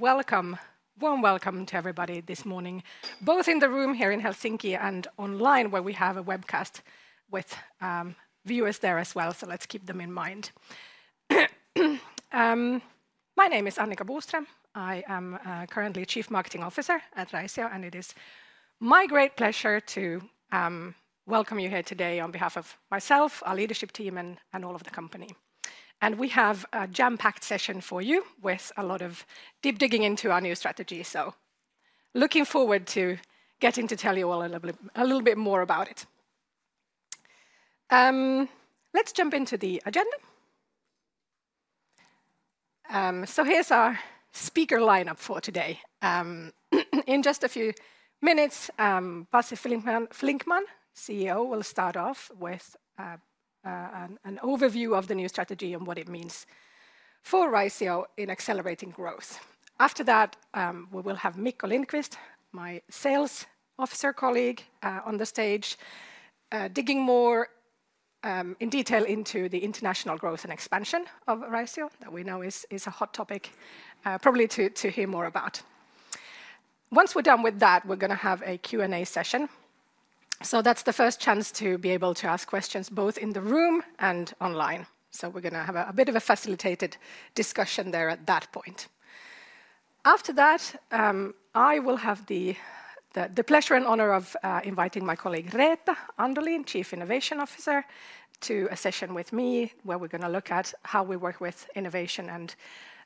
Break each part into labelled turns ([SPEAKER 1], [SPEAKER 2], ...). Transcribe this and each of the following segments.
[SPEAKER 1] Welcome, warm welcome to everybody this morning, both in the room here in Helsinki and online, where we have a webcast with viewers there as well. Let's keep them in mind. My name is Annika Kuusniemi. I am currently Chief Marketing Officer at Raisio, and it is my great pleasure to welcome you here today on behalf of myself, our leadership team, and all of the company. We have a jam-packed session for you with a lot of deep digging into our new strategy. Looking forward to getting to tell you all a little bit more about it. Let's jump into the agenda. Here is our speaker lineup for today. In just a few minutes, Pasi Flinkman, CEO, will start off with an overview of the new strategy and what it means for Raisio in accelerating growth. After that, we will have Mikko Lindqvist, my Sales Officer colleague, on the stage, digging more in detail into the international growth and expansion of Raisio, that we know is a hot topic probably to hear more about. Once we're done with that, we're going to have a Q&A session. That is the first chance to be able to ask questions both in the room and online. We're going to have a bit of a facilitated discussion there at that point. After that, I will have the pleasure and honor of inviting my colleague Reetta Andolin, Chief Innovation Officer, to a session with me where we're going to look at how we work with innovation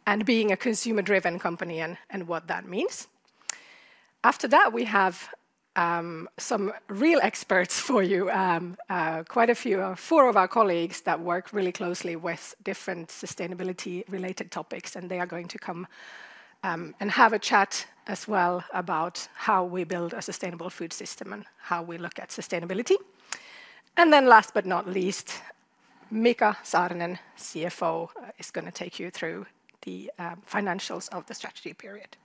[SPEAKER 1] and being a consumer-driven company and what that means. After that, we have some real experts for you, quite a few, four of our colleagues that work really closely with different sustainability-related topics, and they are going to come and have a chat as well about how we build a sustainable food system and how we look at sustainability. Last but not least, Mikko Saarinen, CFO, is going to take you through the financials of the strategy period.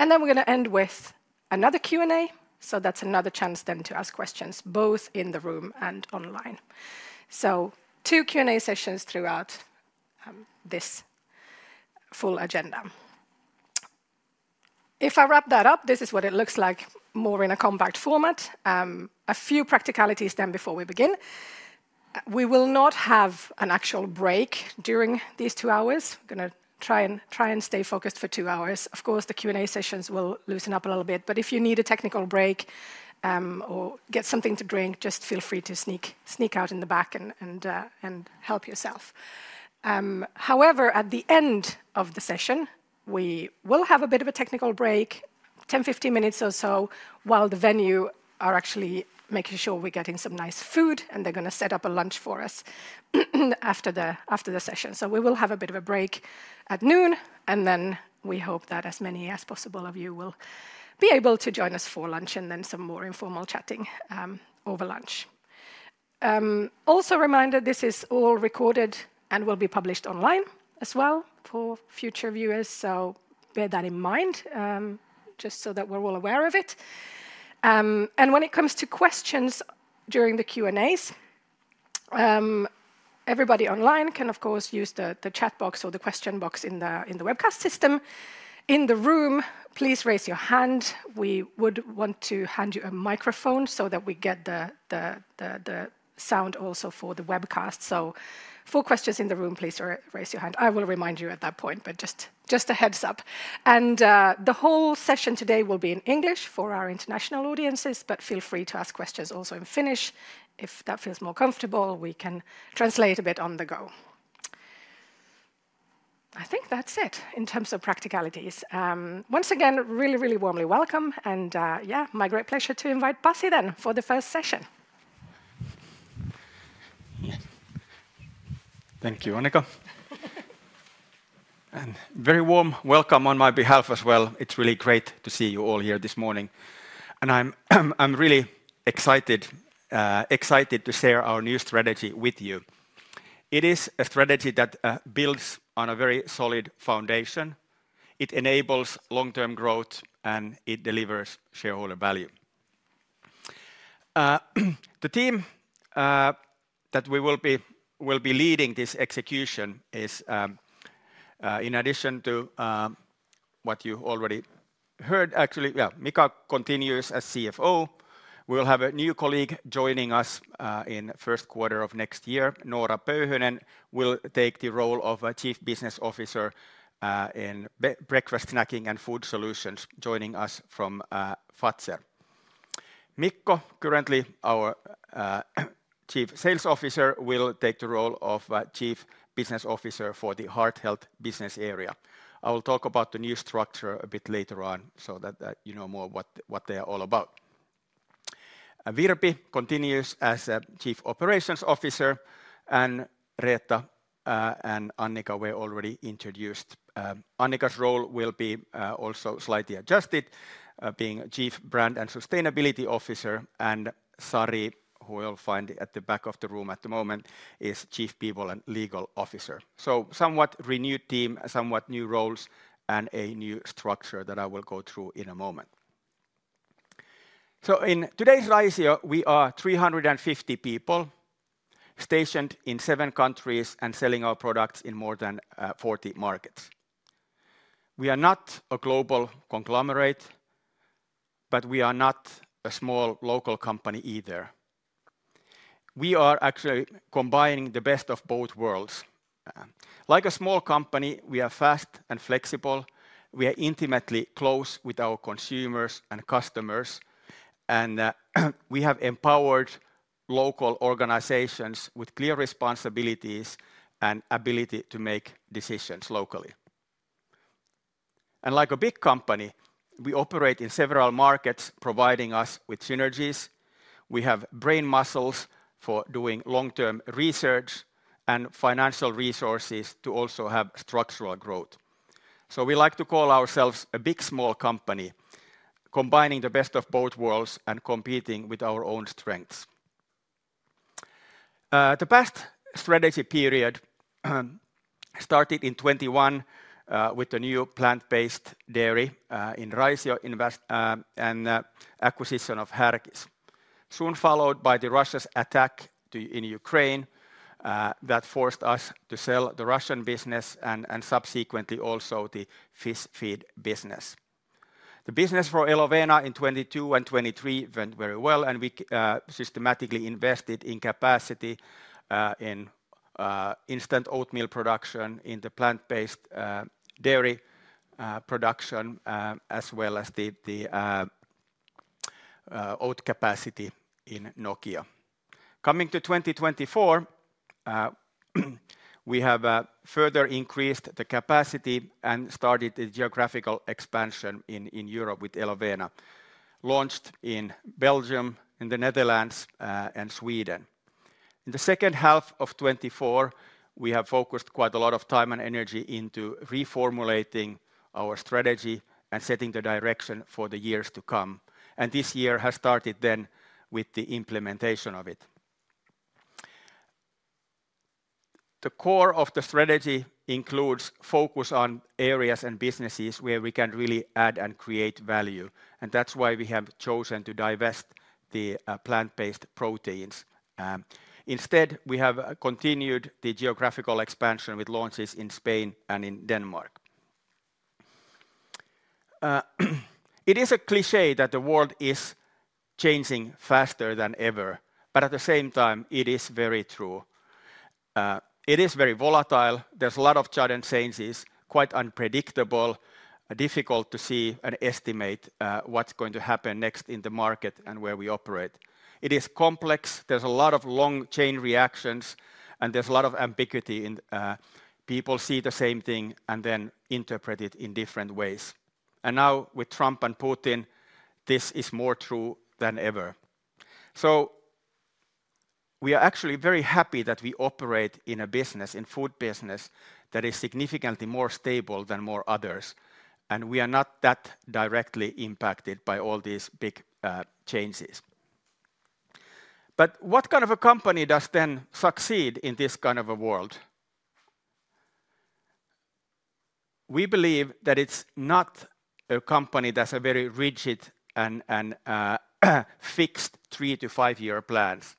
[SPEAKER 1] We are going to end with another Q&A. That is another chance then to ask questions both in the room and online. Two Q&A sessions throughout this full agenda. If I wrap that up, this is what it looks like more in a compact format. A few practicalities then before we begin. We will not have an actual break during these two hours. We are going to try and stay focused for two hours. Of course, the Q&A sessions will loosen up a little bit, but if you need a technical break or get something to drink, just feel free to sneak out in the back and help yourself. However, at the end of the session, we will have a bit of a technical break, 10-15 minutes or so, while the venue are actually making sure we're getting some nice food and they're going to set up a lunch for us after the session. We will have a bit of a break at noon, and then we hope that as many as possible of you will be able to join us for lunch and then some more informal chatting over lunch. Also a reminder, this is all recorded and will be published online as well for future viewers. Bear that in mind just so that we're all aware of it. When it comes to questions during the Q&As, everybody online can of course use the chat box or the question box in the webcast system. In the room, please raise your hand. We would want to hand you a microphone so that we get the sound also for the webcast. For questions in the room, please raise your hand. I will remind you at that point, but just a heads up. The whole session today will be in English for our international audiences, but feel free to ask questions also in Finnish. If that feels more comfortable, we can translate a bit on the go. I think that's it in terms of practicalities. Once again, really, really warmly welcome. My great pleasure to invite Pasi then for the first session.
[SPEAKER 2] Thank you, Annika. A very warm welcome on my behalf as well. It's really great to see you all here this morning. I'm really excited to share our new strategy with you. It is a strategy that builds on a very solid foundation. It enables long-term growth and it delivers shareholder value. The team that we will be leading this execution is, in addition to what you already heard, actually, yeah, Mikko continues as CFO. We will have a new colleague joining us in the first quarter of next year. Noora Pöyhönen will take the role of Chief Business Officer in Breakfast Snacking and Food Solutions, joining us from Fazer. Mikko, currently our Chief Sales Officer, will take the role of Chief Business Officer for the Heart Health Business Area. I will talk about the new structure a bit later on so that you know more what they are all about. Virpi continues as Chief Operations Officer. Reetta and Annika were already introduced. Annika's role will be also slightly adjusted, being Chief Brand and Sustainability Officer. Sari, who you'll find at the back of the room at the moment, is Chief People and Legal Officer. Somewhat renewed team, somewhat new roles, and a new structure that I will go through in a moment. In today's Raisio, we are 350 people stationed in seven countries and selling our products in more than 40 markets. We are not a global conglomerate, but we are not a small local company either. We are actually combining the best of both worlds. Like a small company, we are fast and flexible. We are intimately close with our consumers and customers, and we have empowered local organizations with clear responsibilities and the ability to make decisions locally. Like a big company, we operate in several markets, providing us with synergies. We have brain muscles for doing long-term research and financial resources to also have structural growth. We like to call ourselves a big small company, combining the best of both worlds and competing with our own strengths. The past strategy period started in 2021 with the new plant-based dairy in Raisio and the acquisition of Härkis, soon followed by Russia's attack in Ukraine that forced us to sell the Russian business and subsequently also the fish feed business. The business for Elovena in 2022 and 2023 went very well, and we systematically invested in capacity in instant oatmeal production in the plant-based dairy production, as well as the oat capacity in Nokia. Coming to 2024, we have further increased the capacity and started the geographical expansion in Europe with Elovena, launched in Belgium, in the Netherlands, and Sweden. In the second half of 2024, we have focused quite a lot of time and energy into reformulating our strategy and setting the direction for the years to come. This year has started then with the implementation of it. The core of the strategy includes focus on areas and businesses where we can really add and create value. That is why we have chosen to divest the plant-based proteins. Instead, we have continued the geographical expansion with launches in Spain and in Denmark. It is a cliché that the world is changing faster than ever, but at the same time, it is very true. It is very volatile. There's a lot of sudden changes, quite unpredictable, difficult to see and estimate what's going to happen next in the market and where we operate. It is complex. There's a lot of long-chain reactions, and there's a lot of ambiguity. People see the same thing and then interpret it in different ways. Now with Trump and Putin, this is more true than ever. We are actually very happy that we operate in a business, in food business, that is significantly more stable than more others. We are not that directly impacted by all these big changes. What kind of a company does then succeed in this kind of a world? We believe that it's not a company that's a very rigid and fixed three- to five-year plans.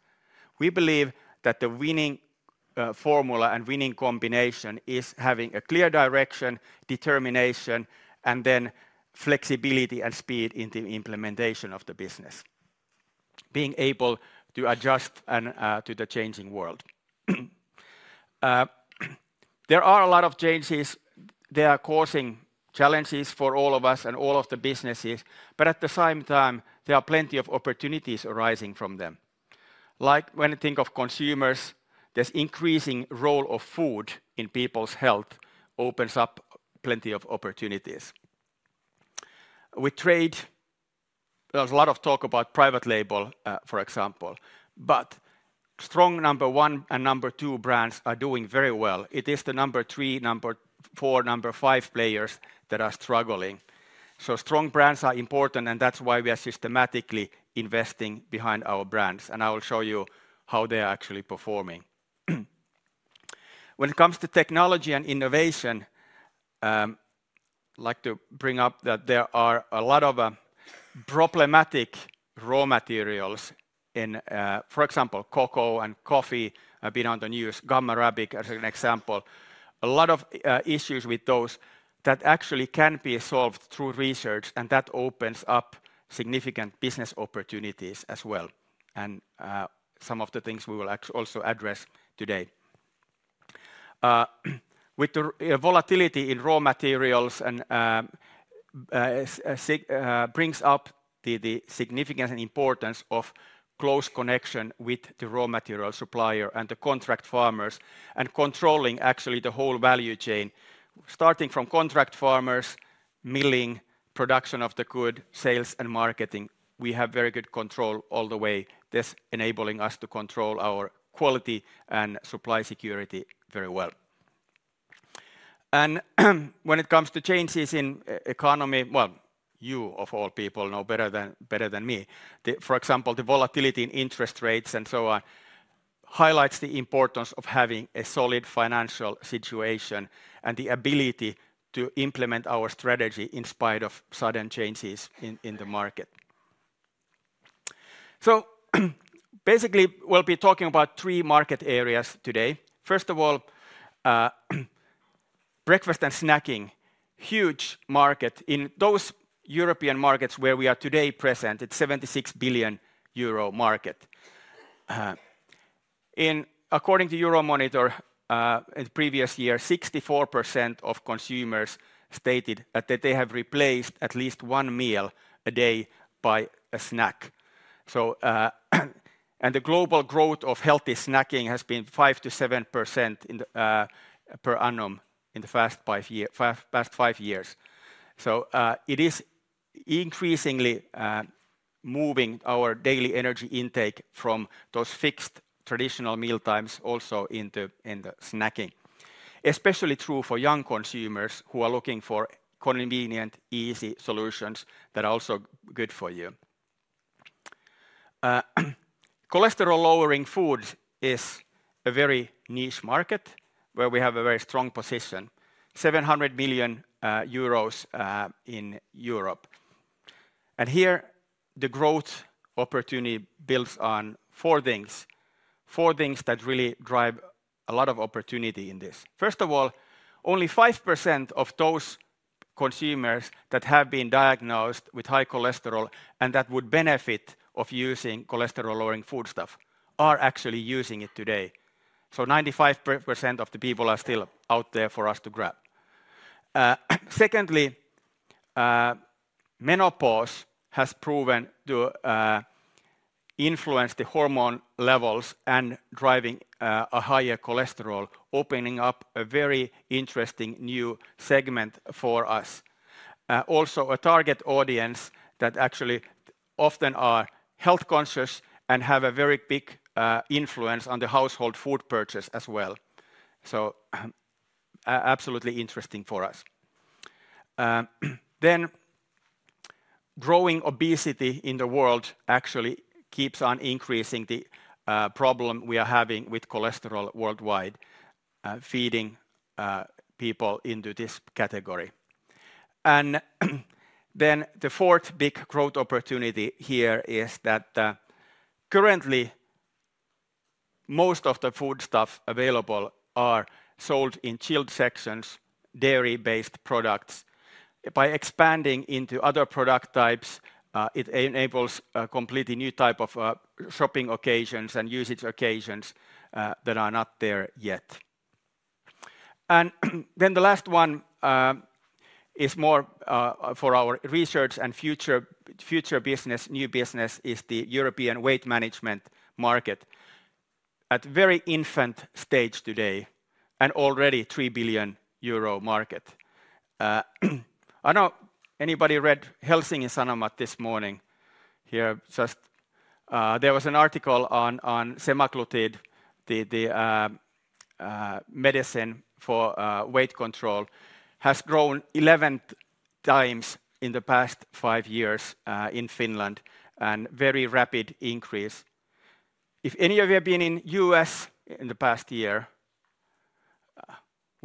[SPEAKER 2] We believe that the winning formula and winning combination is having a clear direction, determination, and then flexibility and speed in the implementation of the business, being able to adjust to the changing world. There are a lot of changes. They are causing challenges for all of us and all of the businesses, but at the same time, there are plenty of opportunities arising from them. Like when you think of consumers, there's an increasing role of food in people's health that opens up plenty of opportunities. With trade, there's a lot of talk about private label, for example, but strong number one and number two brands are doing very well. It is the number three, number four, number five players that are struggling. Strong brands are important, and that's why we are systematically investing behind our brands. I will show you how they are actually performing. When it comes to technology and innovation, I'd like to bring up that there are a lot of problematic raw materials in, for example, cocoa and coffee have been on the news, gum arabic as an example. A lot of issues with those that actually can be solved through research, and that opens up significant business opportunities as well. Some of the things we will also address today. With the volatility in raw materials, it brings up the significance and importance of close connection with the raw material supplier and the contract farmers and controlling actually the whole value chain. Starting from contract farmers, milling, production of the good, sales, and marketing, we have very good control all the way. This enables us to control our quality and supply security very well. When it comes to changes in the economy, you of all people know better than me, for example, the volatility in interest rates and so on highlights the importance of having a solid financial situation and the ability to implement our strategy in spite of sudden changes in the market. Basically, we'll be talking about three market areas today. First of all, breakfast and snacking, huge market in those European markets where we are today present, it's a 76 billion euro market. According to Euromonitor, in the previous year, 64% of consumers stated that they have replaced at least one meal a day by a snack. The global growth of healthy snacking has been 5-7% per annum in the past five years. It is increasingly moving our daily energy intake from those fixed traditional meal times also into snacking. Especially true for young consumers who are looking for convenient, easy solutions that are also good for you. Cholesterol-lowering foods is a very niche market where we have a very strong position, 700 million euros in Europe. Here the growth opportunity builds on four things. Four things that really drive a lot of opportunity in this. First of all, only 5% of those consumers that have been diagnosed with high cholesterol and that would benefit from using cholesterol-lowering foodstuff are actually using it today. 95% of the people are still out there for us to grab. Secondly, menopause has proven to influence the hormone levels and driving a higher cholesterol, opening up a very interesting new segment for us. Also, a target audience that actually often are health conscious and have a very big influence on the household food purchase as well. Absolutely interesting for us. Growing obesity in the world actually keeps on increasing the problem we are having with cholesterol worldwide, feeding people into this category. The fourth big growth opportunity here is that currently most of the foodstuff available are sold in chilled sections, dairy-based products. By expanding into other product types, it enables a completely new type of shopping occasions and usage occasions that are not there yet. The last one is more for our research and future business, new business is the European weight management market at a very infant stage today and already a 3 billion euro market. I do not know if anybody read Helsingin Sanomat this morning. There was an article on semaglutide, the medicine for weight control, has grown 11 times in the past five years in Finland and a very rapid increase. If any of you have been in the U.S. in the past year,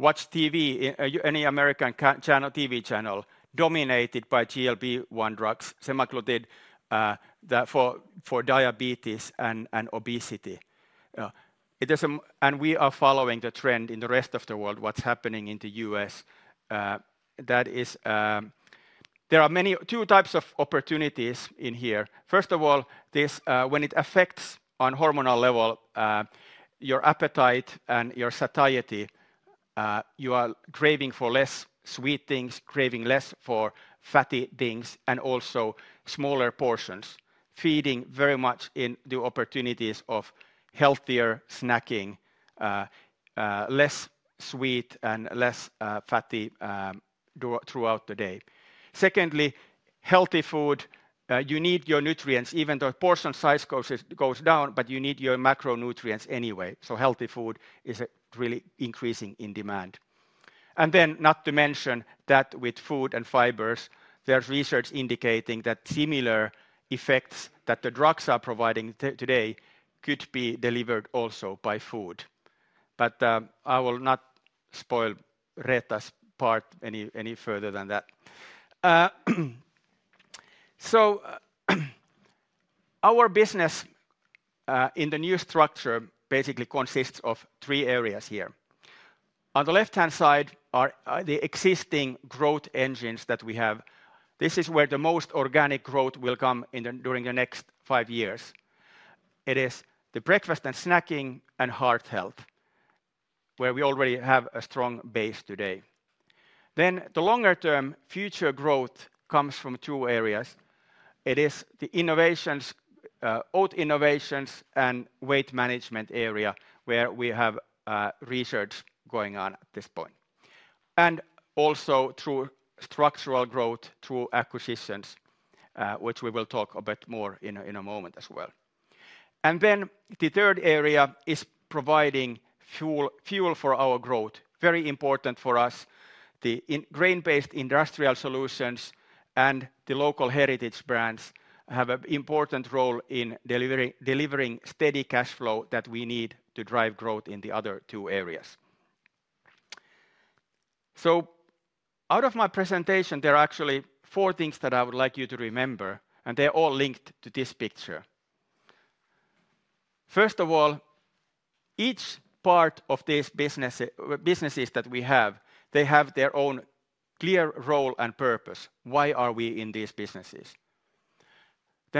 [SPEAKER 2] watch TV, any American TV channel dominated by GLP-1 drugs, semaglutide for diabetes and obesity. We are following the trend in the rest of the world, what's happening in the U.S. There are two types of opportunities in here. First of all, when it affects on hormonal level, your appetite and your satiety, you are craving for less sweet things, craving less for fatty things, and also smaller portions, feeding very much in the opportunities of healthier snacking, less sweet and less fatty throughout the day. Secondly, healthy food, you need your nutrients, even though portion size goes down, but you need your macronutrients anyway. Healthy food is really increasing in demand. Not to mention that with food and fibers, there is research indicating that similar effects that the drugs are providing today could be delivered also by food. I will not spoil Reetta's part any further than that. Our business in the new structure basically consists of three areas here. On the left-hand side are the existing growth engines that we have. This is where the most organic growth will come during the next five years. It is the breakfast and snacking and heart health, where we already have a strong base today. The longer-term future growth comes from two areas. It is the oat innovations and weight management area where we have research going on at this point, and also through structural growth, through acquisitions, which we will talk about more in a moment as well. Then the third area is providing fuel for our growth, very important for us. The grain-based industrial solutions and the local heritage brands have an important role in delivering steady cash flow that we need to drive growth in the other two areas. Out of my presentation, there are actually four things that I would like you to remember, and they are all linked to this picture. First of all, each part of these businesses that we have, they have their own clear role and purpose. Why are we in these businesses?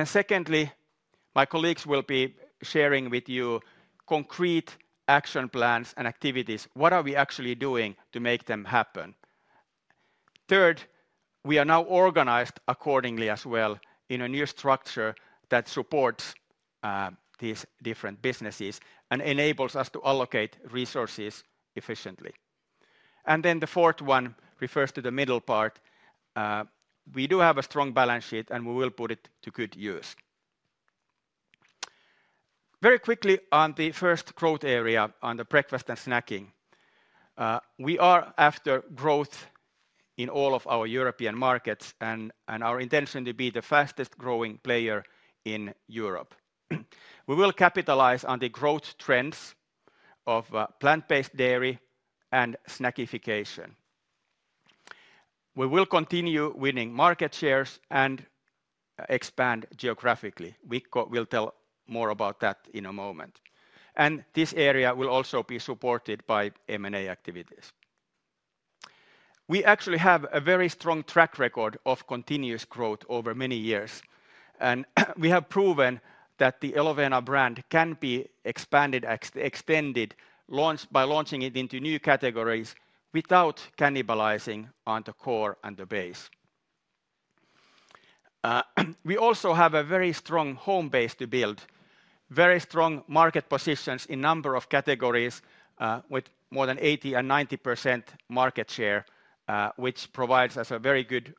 [SPEAKER 2] Secondly, my colleagues will be sharing with you concrete action plans and activities. What are we actually doing to make them happen? Third, we are now organized accordingly as well in a new structure that supports these different businesses and enables us to allocate resources efficiently. The fourth one refers to the middle part. We do have a strong balance sheet, and we will put it to good use. Very quickly on the first growth area on the breakfast and snacking. We are after growth in all of our European markets, and our intention to be the fastest growing player in Europe. We will capitalize on the growth trends of plant-based dairy and snackification. We will continue winning market shares and expand geographically. Mikko will tell more about that in a moment. This area will also be supported by M&A activities. We actually have a very strong track record of continuous growth over many years. We have proven that the Elovena brand can be expanded, extended by launching it into new categories without cannibalizing on the core and the base. We also have a very strong home base to build, very strong market positions in a number of categories with more than 80% and 90% market share, which provides us a very good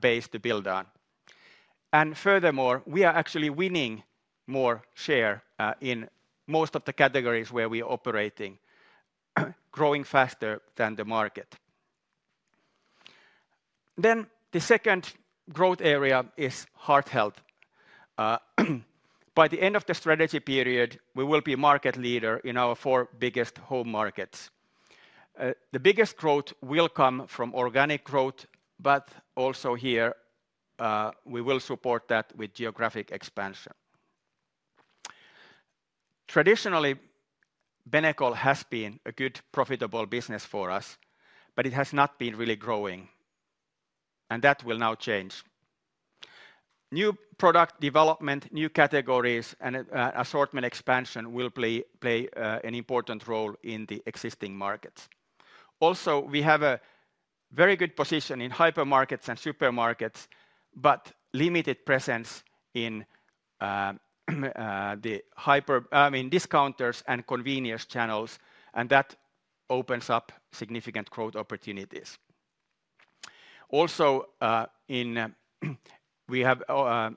[SPEAKER 2] base to build on. Furthermore, we are actually winning more share in most of the categories where we are operating, growing faster than the market. The second growth area is heart health. By the end of the strategy period, we will be a market leader in our four biggest home markets. The biggest growth will come from organic growth, but also here we will support that with geographic expansion. Traditionally, Benecol has been a good, profitable business for us, but it has not been really growing. That will now change. New product development, new categories, and assortment expansion will play an important role in the existing markets. Also, we have a very good position in hypermarkets and supermarkets, but limited presence in the discounters and convenience channels, and that opens up significant growth opportunities. Also, we have a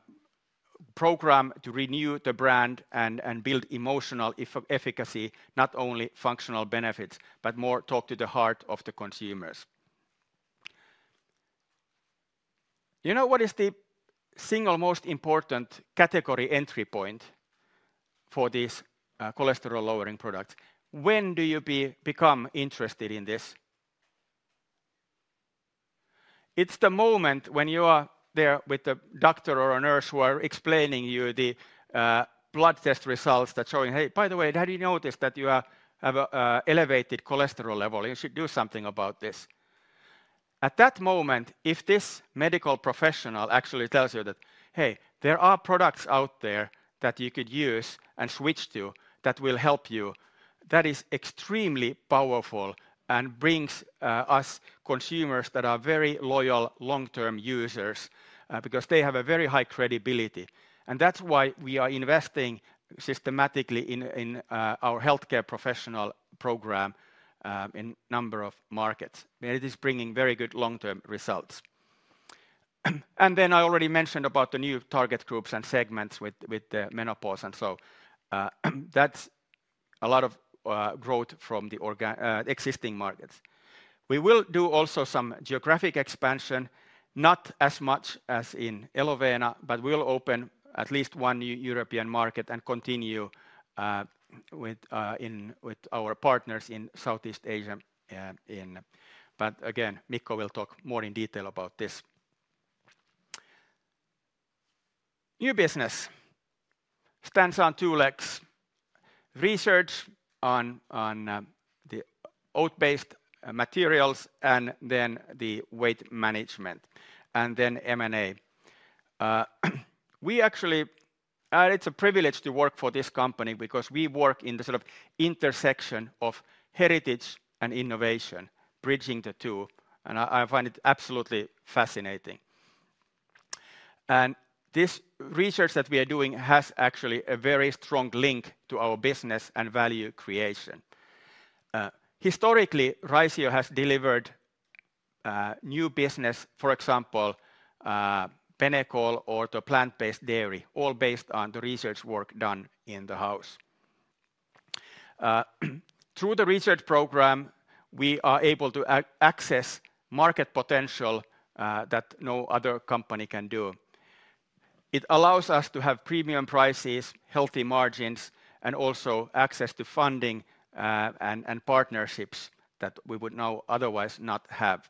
[SPEAKER 2] program to renew the brand and build emotional efficacy, not only functional benefits, but more talk to the heart of the consumers. You know what is the single most important category entry point for these cholesterol-lowering products? When do you become interested in this? It's the moment when you are there with the doctor or a nurse who are explaining you the blood test results that show, "Hey, by the way, have you noticed that you have an elevated cholesterol level? You should do something about this." At that moment, if this medical professional actually tells you that, "Hey, there are products out there that you could use and switch to that will help you," that is extremely powerful and brings us consumers that are very loyal long-term users because they have a very high credibility. That is why we are investing systematically in our healthcare professional program in a number of markets. It is bringing very good long-term results. I already mentioned about the new target groups and segments with the menopause and so on. That is a lot of growth from the existing markets. We will do also some geographic expansion, not as much as in Elovena, but we will open at least one European market and continue with our partners in Southeast Asia. Again, Mikko will talk more in detail about this. New business stands on two legs: research on the oat-based materials and then the weight management, and then M&A. It is a privilege to work for this company because we work in the sort of intersection of heritage and innovation, bridging the two. I find it absolutely fascinating. This research that we are doing has actually a very strong link to our business and value creation. Historically, Raisio has delivered new business, for example, Benecol or the plant-based dairy, all based on the research work done in the house. Through the research program, we are able to access market potential that no other company can do. It allows us to have premium prices, healthy margins, and also access to funding and partnerships that we would now otherwise not have.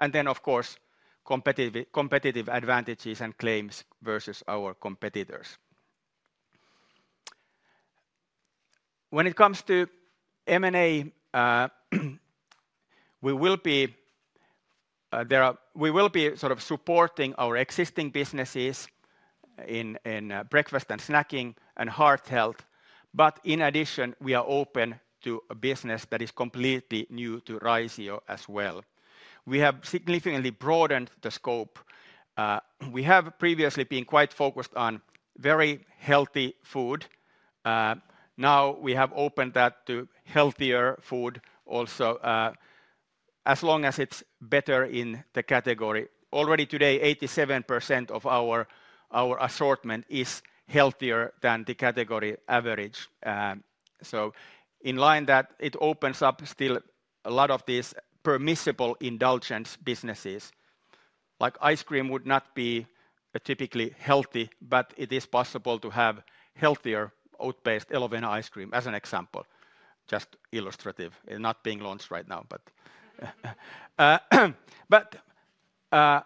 [SPEAKER 2] Of course, competitive advantages and claims versus our competitors. When it comes to M&A, we will be sort of supporting our existing businesses in breakfast and snacking and heart health. In addition, we are open to a business that is completely new to Raisio as well. We have significantly broadened the scope. We have previously been quite focused on very healthy food. Now we have opened that to healthier food also, as long as it is better in the category. Already today, 87% of our assortment is healthier than the category average. In line with that, it opens up still a lot of these permissible indulgence businesses. Like ice cream would not be typically healthy, but it is possible to have healthier oat-based Elovena ice cream as an example. Just illustrative, not being launched right now.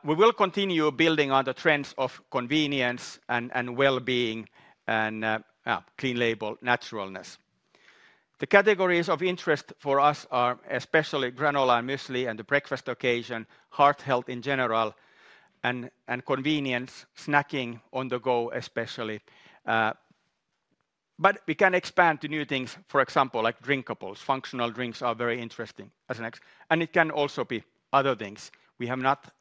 [SPEAKER 2] We will continue building on the trends of convenience and well-being and clean label naturalness. The categories of interest for us are especially granola and muesli and the breakfast occasion, heart health in general, and convenience snacking on the go especially. We can expand to new things, for example, like drinkables. Functional drinks are very interesting. It can also be other things. We have not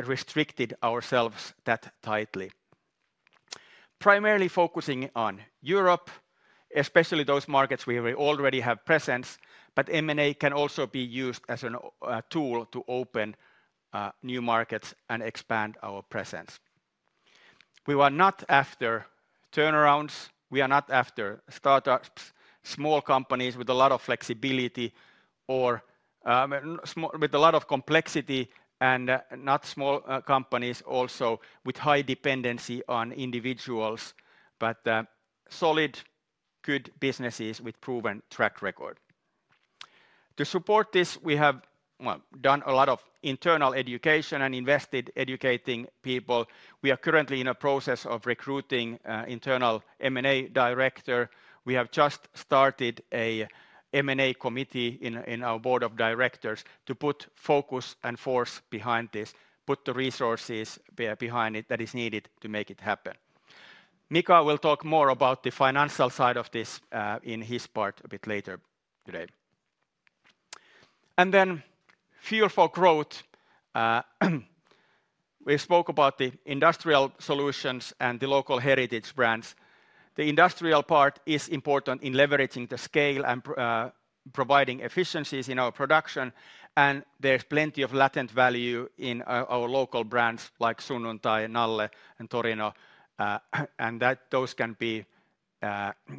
[SPEAKER 2] restricted ourselves that tightly. Primarily focusing on Europe, especially those markets where we already have presence, but M&A can also be used as a tool to open new markets and expand our presence. We are not after turnarounds. We are not after startups, small companies with a lot of flexibility or with a lot of complexity, and not small companies also with high dependency on individuals, but solid, good businesses with proven track record. To support this, we have done a lot of internal education and invested in educating people. We are currently in a process of recruiting an internal M&A director. We have just started an M&A committee in our board of directors to put focus and force behind this, put the resources behind it that are needed to make it happen. Mikko will talk more about the financial side of this in his part a bit later today. Fear for growth. We spoke about the industrial solutions and the local heritage brands. The industrial part is important in leveraging the scale and providing efficiencies in our production. There is plenty of latent value in our local brands like Sunnuntai, Nalle, and Torino. Those can be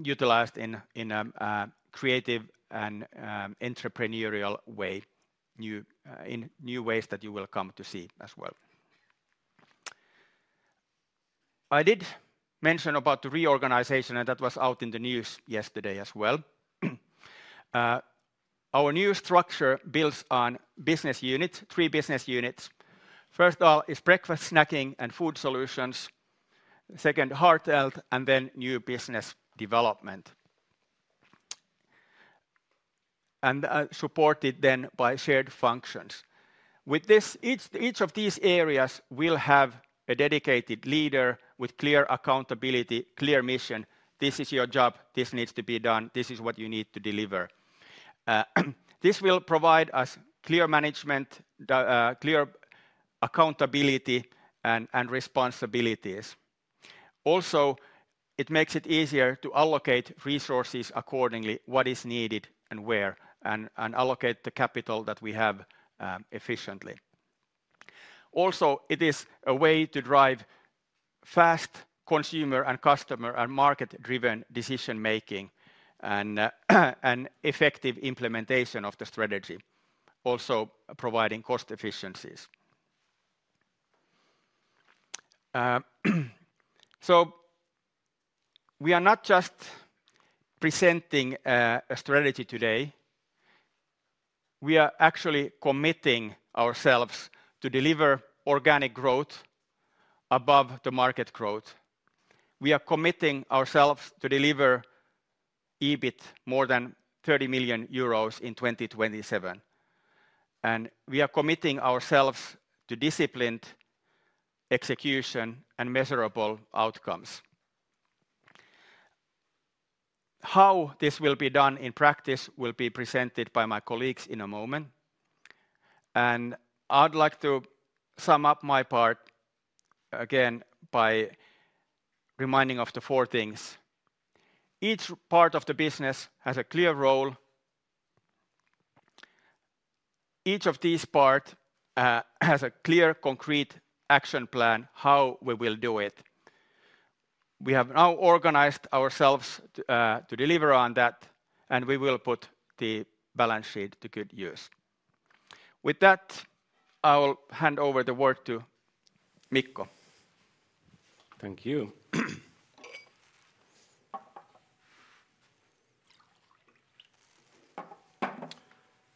[SPEAKER 2] utilized in a creative and entrepreneurial way, new ways that you will come to see as well. I did mention about the reorganization, and that was out in the news yesterday as well. Our new structure builds on three business units. First of all is breakfast, snacking, and food solutions. Second, heart health, and then new business development. Supported then by shared functions. With this, each of these areas will have a dedicated leader with clear accountability, clear mission. This is your job. This needs to be done. This is what you need to deliver. This will provide us clear management, clear accountability, and responsibilities. Also, it makes it easier to allocate resources accordingly, what is needed and where, and allocate the capital that we have efficiently. Also, it is a way to drive fast consumer and customer and market-driven decision-making and effective implementation of the strategy, also providing cost efficiencies. We are not just presenting a strategy today. We are actually committing ourselves to deliver organic growth above the market growth. We are committing ourselves to deliver EBIT more than 30 million euros in 2027. We are committing ourselves to disciplined execution and measurable outcomes. How this will be done in practice will be presented by my colleagues in a moment. I would like to sum up my part again by reminding of the four things. Each part of the business has a clear role. Each of these parts has a clear, concrete action plan, how we will do it. We have now organized ourselves to deliver on that, and we will put the balance sheet to good use. With that, I will hand over the word to Mikko.
[SPEAKER 3] Thank you.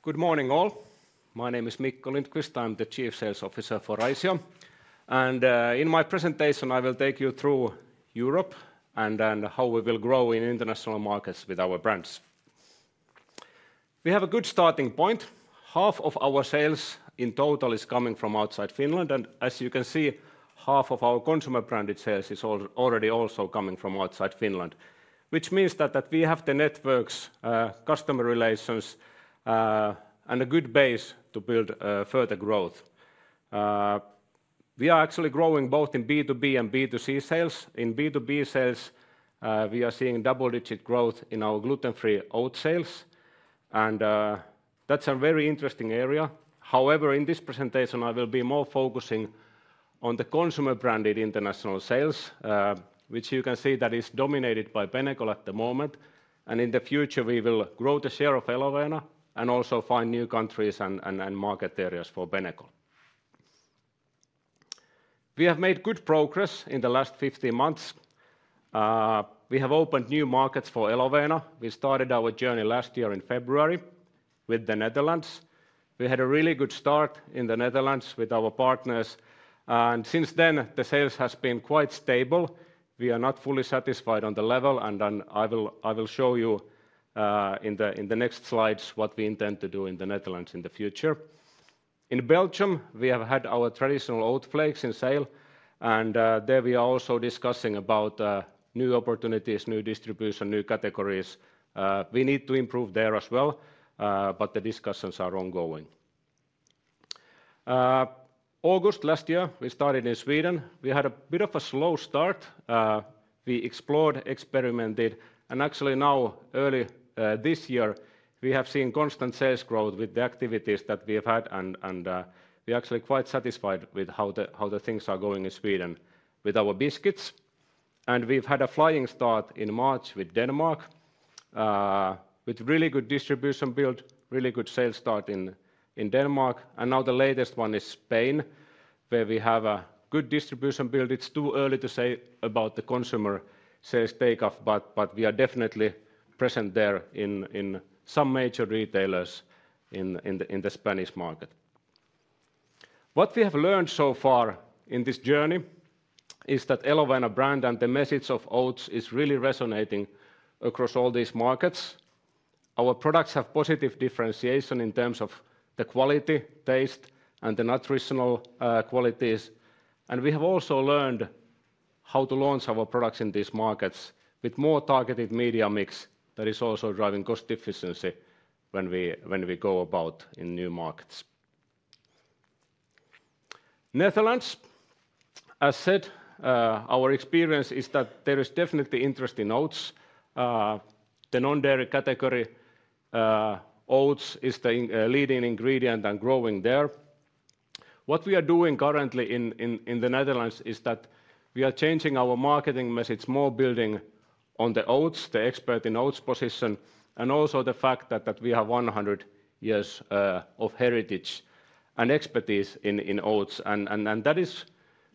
[SPEAKER 3] Good morning all. My name is Mikko Lindqvist. I'm the Chief Sales Officer for Raisio. In my presentation, I will take you through Europe and how we will grow in international markets with our brands. We have a good starting point. Half of our sales in total is coming from outside Finland. As you can see, half of our consumer branded sales is already also coming from outside Finland, which means that we have the networks, customer relations, and a good base to build further growth. We are actually growing both in B2B and B2C sales. In B2B sales, we are seeing double-digit growth in our gluten-free oat sales. That's a very interesting area. However, in this presentation, I will be more focusing on the consumer branded international sales, which you can see is dominated by Benecol at the moment. In the future, we will grow the share of Elovena and also find new countries and market areas for Benecol. We have made good progress in the last 15 months. We have opened new markets for Elovena. We started our journey last year in February with the Netherlands. We had a really good start in the Netherlands with our partners. Since then, the sales has been quite stable. We are not fully satisfied on the level. I will show you in the next slides what we intend to do in the Netherlands in the future. In Belgium, we have had our traditional oat flakes in sale. There we are also discussing about new opportunities, new distribution, new categories. We need to improve there as well, but the discussions are ongoing. August last year, we started in Sweden. We had a bit of a slow start. We explored, experimented. Actually now, early this year, we have seen constant sales growth with the activities that we have had. We are actually quite satisfied with how the things are going in Sweden with our biscuits. We have had a flying start in March with Denmark, with really good distribution build, really good sales start in Denmark. Now the latest one is Spain, where we have a good distribution build. It is too early to say about the consumer sales takeoff, but we are definitely present there in some major retailers in the Spanish market. What we have learned so far in this journey is that Elovena brand and the message of oats is really resonating across all these markets. Our products have positive differentiation in terms of the quality, taste, and the nutritional qualities. We have also learned how to launch our products in these markets with more targeted media mix that is also driving cost efficiency when we go about in new markets. Netherlands, as said, our experience is that there is definitely interest in oats. The non-dairy category, oats is the leading ingredient and growing there. What we are doing currently in the Netherlands is that we are changing our marketing message, more building on the oats, the expert in oats position, and also the fact that we have 100 years of heritage and expertise in oats. That is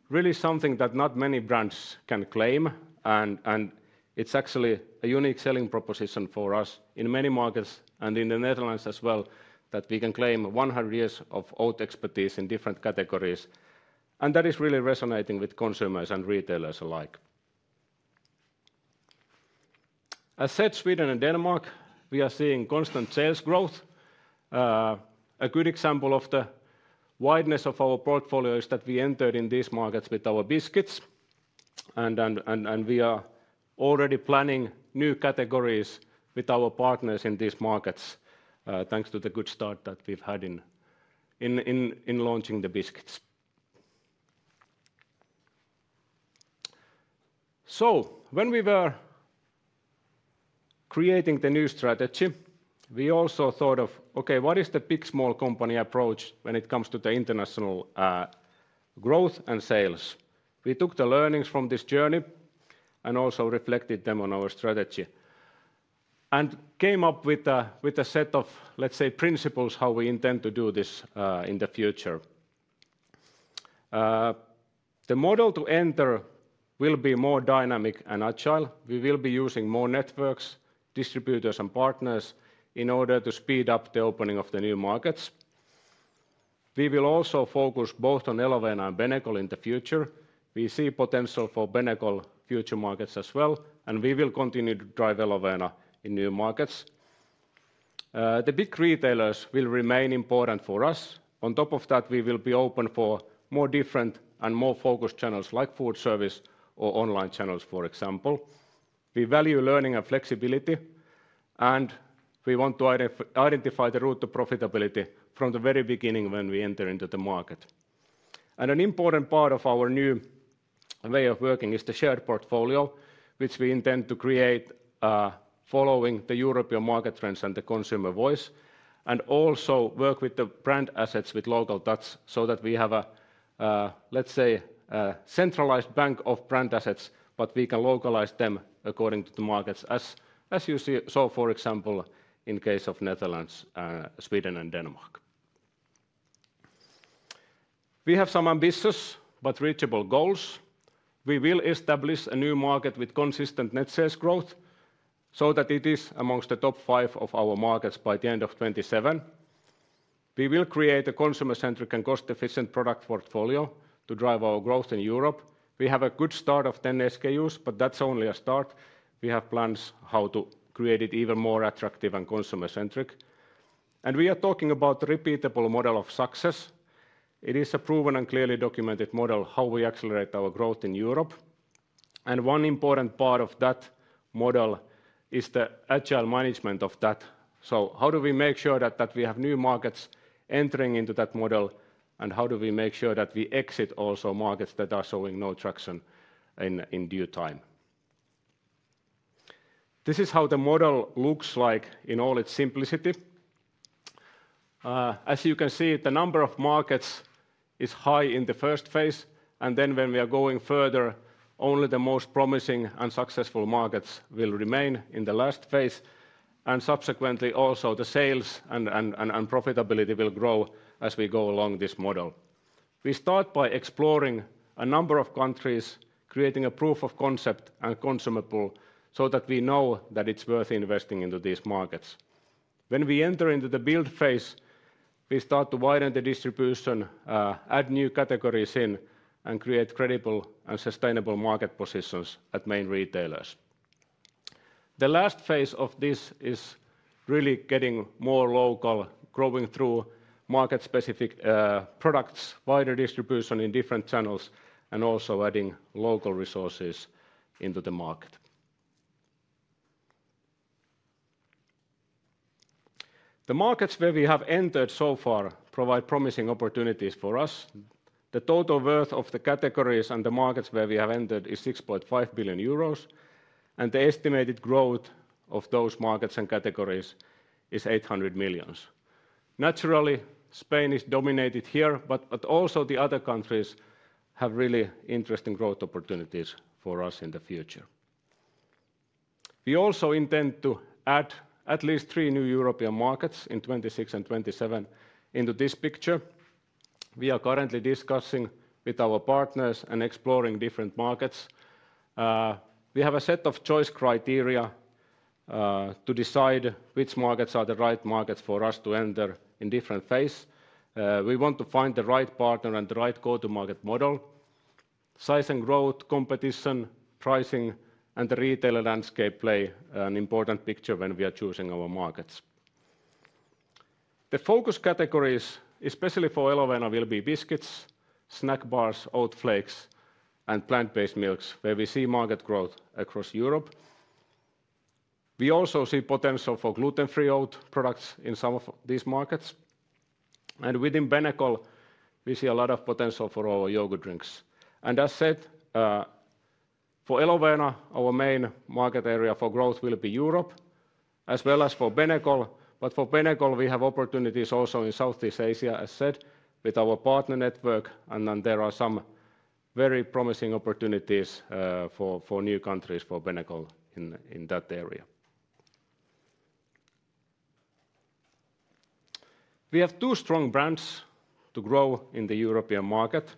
[SPEAKER 3] really something that not many brands can claim. It is actually a unique selling proposition for us in many markets and in the Netherlands as well, that we can claim 100 years of oat expertise in different categories. That is really resonating with consumers and retailers alike. As said, Sweden and Denmark, we are seeing constant sales growth. A good example of the wideness of our portfolio is that we entered in these markets with our biscuits. We are already planning new categories with our partners in these markets, thanks to the good start that we've had in launching the biscuits. When we were creating the new strategy, we also thought of, okay, what is the big small company approach when it comes to the international growth and sales? We took the learnings from this journey and also reflected them on our strategy and came up with a set of, let's say, principles how we intend to do this in the future. The model to enter will be more dynamic and agile. We will be using more networks, distributors, and partners in order to speed up the opening of the new markets. We will also focus both on Elovena and Benecol in the future. We see potential for Benecol future markets as well. We will continue to drive Elovena in new markets. The big retailers will remain important for us. On top of that, we will be open for more different and more focused channels like food service or online channels, for example. We value learning and flexibility. We want to identify the route to profitability from the very beginning when we enter into the market. An important part of our new way of working is the shared portfolio, which we intend to create following the European market trends and the consumer voice, and also work with the brand assets with local touch so that we have a, let's say, centralized bank of brand assets, but we can localize them according to the markets, as you saw, for example, in case of Netherlands, Sweden, and Denmark. We have some ambitious but reachable goals. We will establish a new market with consistent net sales growth so that it is amongst the top five of our markets by the end of 2027. We will create a consumer-centric and cost-efficient product portfolio to drive our growth in Europe. We have a good start of 10 SKUs, but that's only a start. We have plans how to create it even more attractive and consumer-centric. We are talking about a repeatable model of success. It is a proven and clearly documented model how we accelerate our growth in Europe. One important part of that model is the agile management of that. How do we make sure that we have new markets entering into that model? How do we make sure that we exit also markets that are showing no traction in due time? This is how the model looks like in all its simplicity. As you can see, the number of markets is high in the first phase. When we are going further, only the most promising and successful markets will remain in the last phase. Subsequently, also the sales and profitability will grow as we go along this model. We start by exploring a number of countries, creating a proof of concept and consumable so that we know that it is worth investing into these markets. When we enter into the build phase, we start to widen the distribution, add new categories in, and create credible and sustainable market positions at main retailers. The last phase of this is really getting more local, growing through market-specific products, wider distribution in different channels, and also adding local resources into the market. The markets where we have entered so far provide promising opportunities for us. The total worth of the categories and the markets where we have entered is 6.5 billion euros. The estimated growth of those markets and categories is 800 million. Naturally, Spain is dominated here, but also the other countries have really interesting growth opportunities for us in the future. We also intend to add at least three new European markets in 2026 and 2027 into this picture. We are currently discussing with our partners and exploring different markets. We have a set of choice criteria to decide which markets are the right markets for us to enter in different phases. We want to find the right partner and the right go-to-market model. Size and growth, competition, pricing, and the retailer landscape play an important picture when we are choosing our markets. The focus categories, especially for Elovena, will be biscuits, snack bars, oat flakes, and plant-based milks, where we see market growth across Europe. We also see potential for gluten-free oat products in some of these markets. Within Benecol, we see a lot of potential for our yogurt drinks. For Elovena, our main market area for growth will be Europe, as well as for Benecol. For Benecol, we have opportunities also in Southeast Asia, with our partner network. There are some very promising opportunities for new countries for Benecol in that area. We have two strong brands to grow in the European market.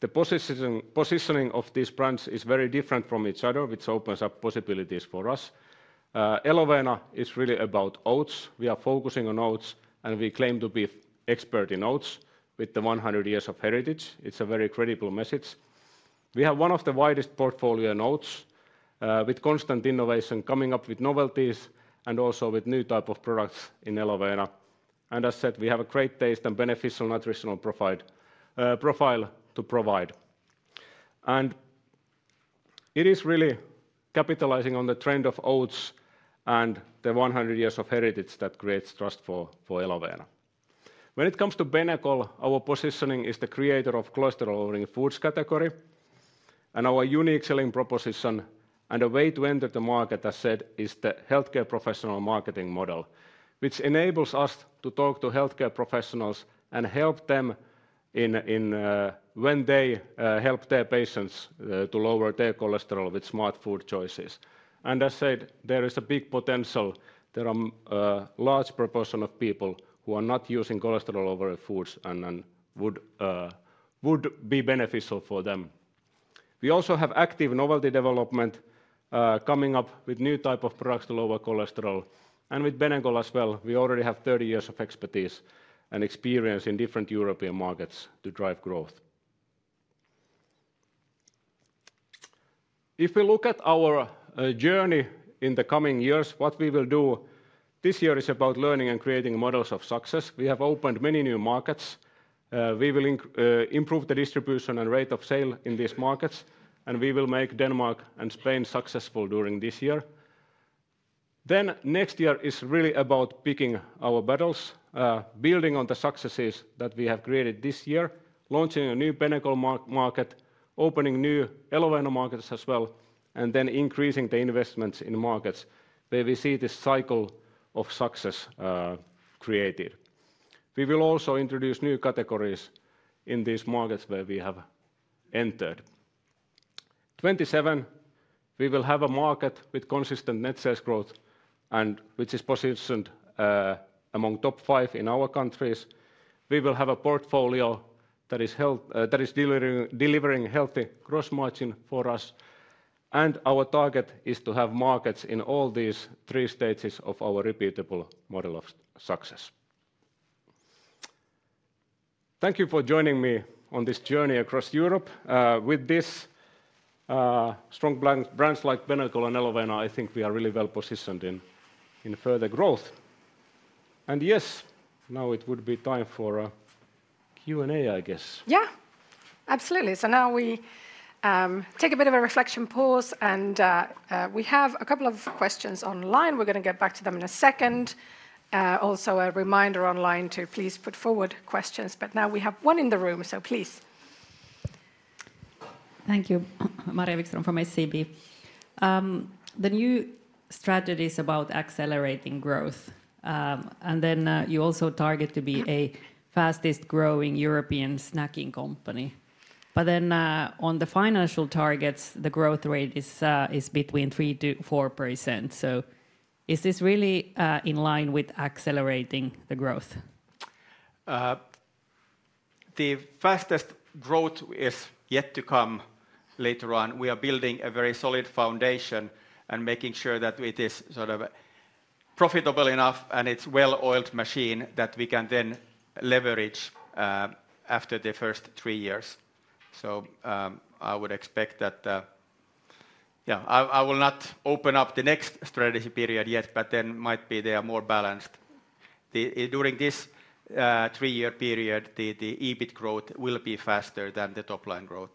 [SPEAKER 3] The positioning of these brands is very different from each other, which opens up possibilities for us. Elovena is really about oats. We are focusing on oats, and we claim to be expert in oats with the 100 years of heritage. It's a very credible message. We have one of the widest portfolio in oats, with constant innovation, coming up with novelties and also with new types of products in Elovena. As said, we have a great taste and beneficial nutritional profile to provide. It is really capitalizing on the trend of oats and the 100 years of heritage that creates trust for Elovena. When it comes to Benecol, our positioning is the creator of cholesterol-only foods category. Our unique selling proposition and a way to enter the market, as said, is the healthcare professional marketing model, which enables us to talk to healthcare professionals and help them in when they help their patients to lower their cholesterol with smart food choices. As said, there is a big potential. There are a large proportion of people who are not using cholesterol-only foods and it would be beneficial for them. We also have active novelty development coming up with new types of products to lower cholesterol. With Benecol as well, we already have 30 years of expertise and experience in different European markets to drive growth. If we look at our journey in the coming years, what we will do this year is about learning and creating models of success. We have opened many new markets. We will improve the distribution and rate of sale in these markets. We will make Denmark and Spain successful during this year. Next year is really about picking our battles, building on the successes that we have created this year, launching a new Benecol market, opening new Elovena markets as well, and then increasing the investments in markets where we see this cycle of success created. We will also introduce new categories in these markets where we have entered. In 2027, we will have a market with consistent net sales growth, which is positioned among the top five in our countries. We will have a portfolio that is delivering healthy gross margin for us. Our target is to have markets in all these three stages of our repeatable model of success. Thank you for joining me on this journey across Europe. With these strong brands like Benecol and Elovena, I think we are really well positioned in further growth. Yes, now it would be time for a Q&A, I guess.
[SPEAKER 1] Yeah, absolutely. Now we take a bit of a reflection pause. We have a couple of questions online. We're going to get back to them in a second. Also, a reminder online to please put forward questions. Now we have one in the room, so please.
[SPEAKER 4] Thank you, Maria Vikström from SCB. The new strategy is about accelerating growth. You also target to be a fastest-growing European snacking company. On the financial targets, the growth rate is between 3%-4%. Is this really in line with accelerating the growth?
[SPEAKER 2] The fastest growth is yet to come later on. We are building a very solid foundation and making sure that it is sort of profitable enough and it's a well-oiled machine that we can then leverage after the first three years. I would expect that, yeah, I will not open up the next strategy period yet, but then might be there more balanced. During this three-year period, the EBIT growth will be faster than the top-line growth.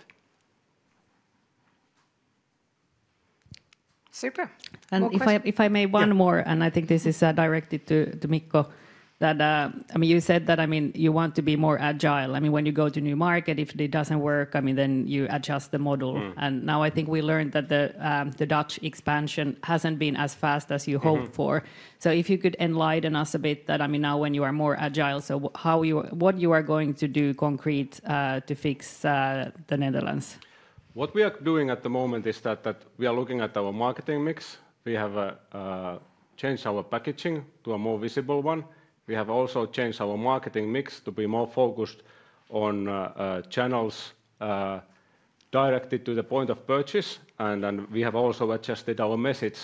[SPEAKER 2] Super.
[SPEAKER 4] If I may, one more, and I think this is directed to Mikko, that I mean, you said that, I mean, you want to be more agile. I mean, when you go to a new market, if it does not work, I mean, then you adjust the model. I think we learned that the Dutch expansion has not been as fast as you hoped for. If you could enlighten us a bit, I mean, now when you are more agile, what you are going to do concrete to fix the Netherlands?
[SPEAKER 3] What we are doing at the moment is that we are looking at our marketing mix. We have changed our packaging to a more visible one. We have also changed our marketing mix to be more focused on channels directed to the point of purchase. We have also adjusted our message.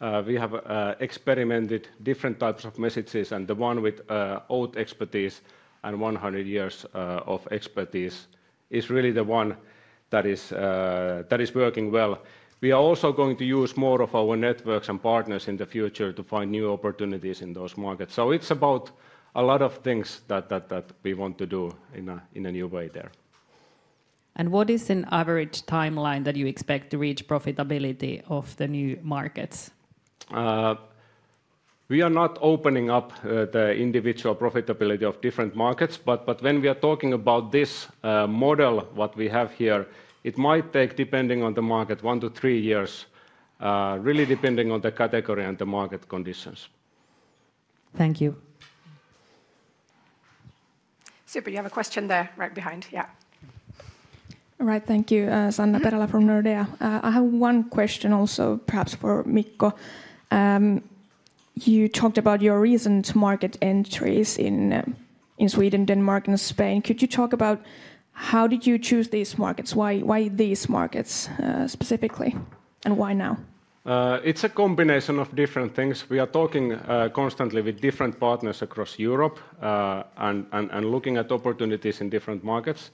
[SPEAKER 3] We have experimented with different types of messages. The one with oat expertise and 100 years of expertise is really the one that is working well. We are also going to use more of our networks and partners in the future to find new opportunities in those markets. It is about a lot of things that we want to do in a new way there.
[SPEAKER 4] What is an average timeline that you expect to reach profitability of the new markets?
[SPEAKER 3] We are not opening up the individual profitability of different markets. When we are talking about this model, what we have here, it might take, depending on the market, one to three years, really depending on the category and the market conditions.
[SPEAKER 4] Thank you.
[SPEAKER 1] Super. You have a question there right behind. Yeah. All right.
[SPEAKER 5] Thank you, Sanna Perälä from Nordea. I have one question also perhaps for Mikko. You talked about your recent market entries in Sweden, Denmark, and Spain. Could you talk about how did you choose these markets? Why these markets specifically? And why now?
[SPEAKER 3] It's a combination of different things. We are talking constantly with different partners across Europe and looking at opportunities in different markets.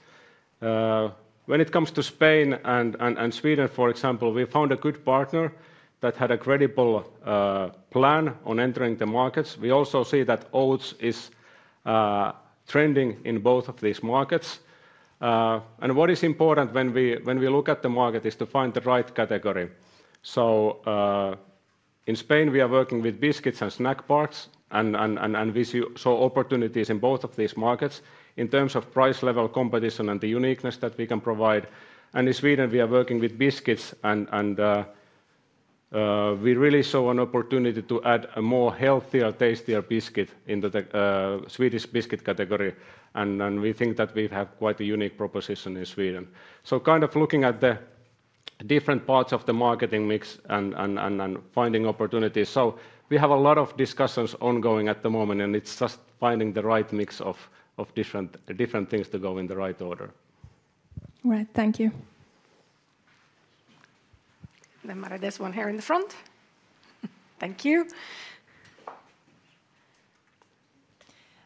[SPEAKER 3] When it comes to Spain and Sweden, for example, we found a good partner that had a credible plan on entering the markets. We also see that oats is trending in both of these markets. What is important when we look at the market is to find the right category. In Spain, we are working with biscuits and snack bars. We saw opportunities in both of these markets in terms of price level competition and the uniqueness that we can provide. In Sweden, we are working with biscuits. We really saw an opportunity to add a more healthier, tastier biscuit into the Swedish biscuit category. We think that we have quite a unique proposition in Sweden. Kind of looking at the different parts of the marketing mix and finding opportunities. We have a lot of discussions ongoing at the moment. It is just finding the right mix of different things to go in the right order.
[SPEAKER 1] All right. Thank you. Maria Desmon here in the front. Thank you.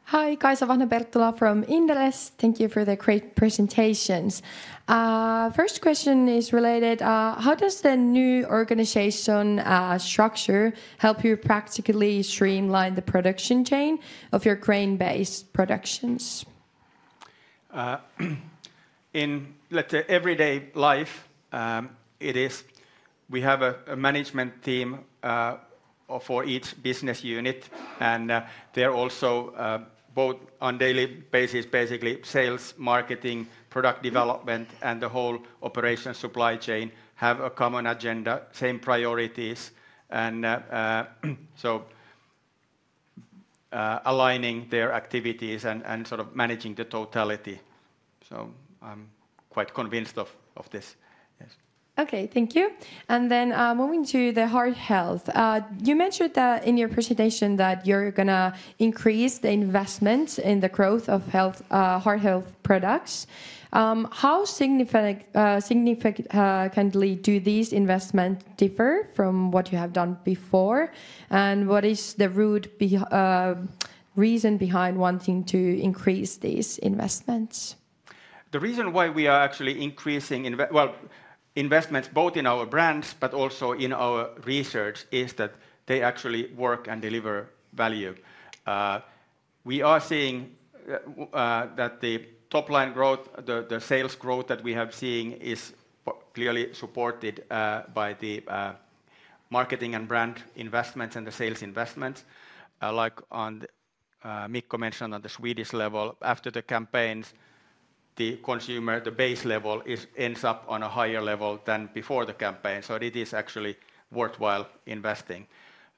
[SPEAKER 6] Hi, Kaisa Vanha-Pertola from Indeless. Thank you for the great presentations. First question is related, how does the new organization structure help you practically streamline the production chain of your grain-based productions?
[SPEAKER 2] In everyday life, we have a management team for each business unit. They're also both on a daily basis, basically sales, marketing, product development, and the whole operation supply chain have a common agenda, same priorities. Aligning their activities and sort of managing the totality. I'm quite convinced of this.
[SPEAKER 6] Yes. Okay. Thank you. Moving to the heart health. You mentioned in your presentation that you're going to increase the investment in the growth of heart health products. How significantly do these investments differ from what you have done before? What is the root reason behind wanting to increase these investments?
[SPEAKER 2] The reason why we are actually increasing, well, investments both in our brands, but also in our research is that they actually work and deliver value. We are seeing that the top-line growth, the sales growth that we have seen is clearly supported by the marketing and brand investments and the sales investments. Like Mikko mentioned on the Swedish level, after the campaigns, the consumer, the base level ends up on a higher level than before the campaign. It is actually worthwhile investing.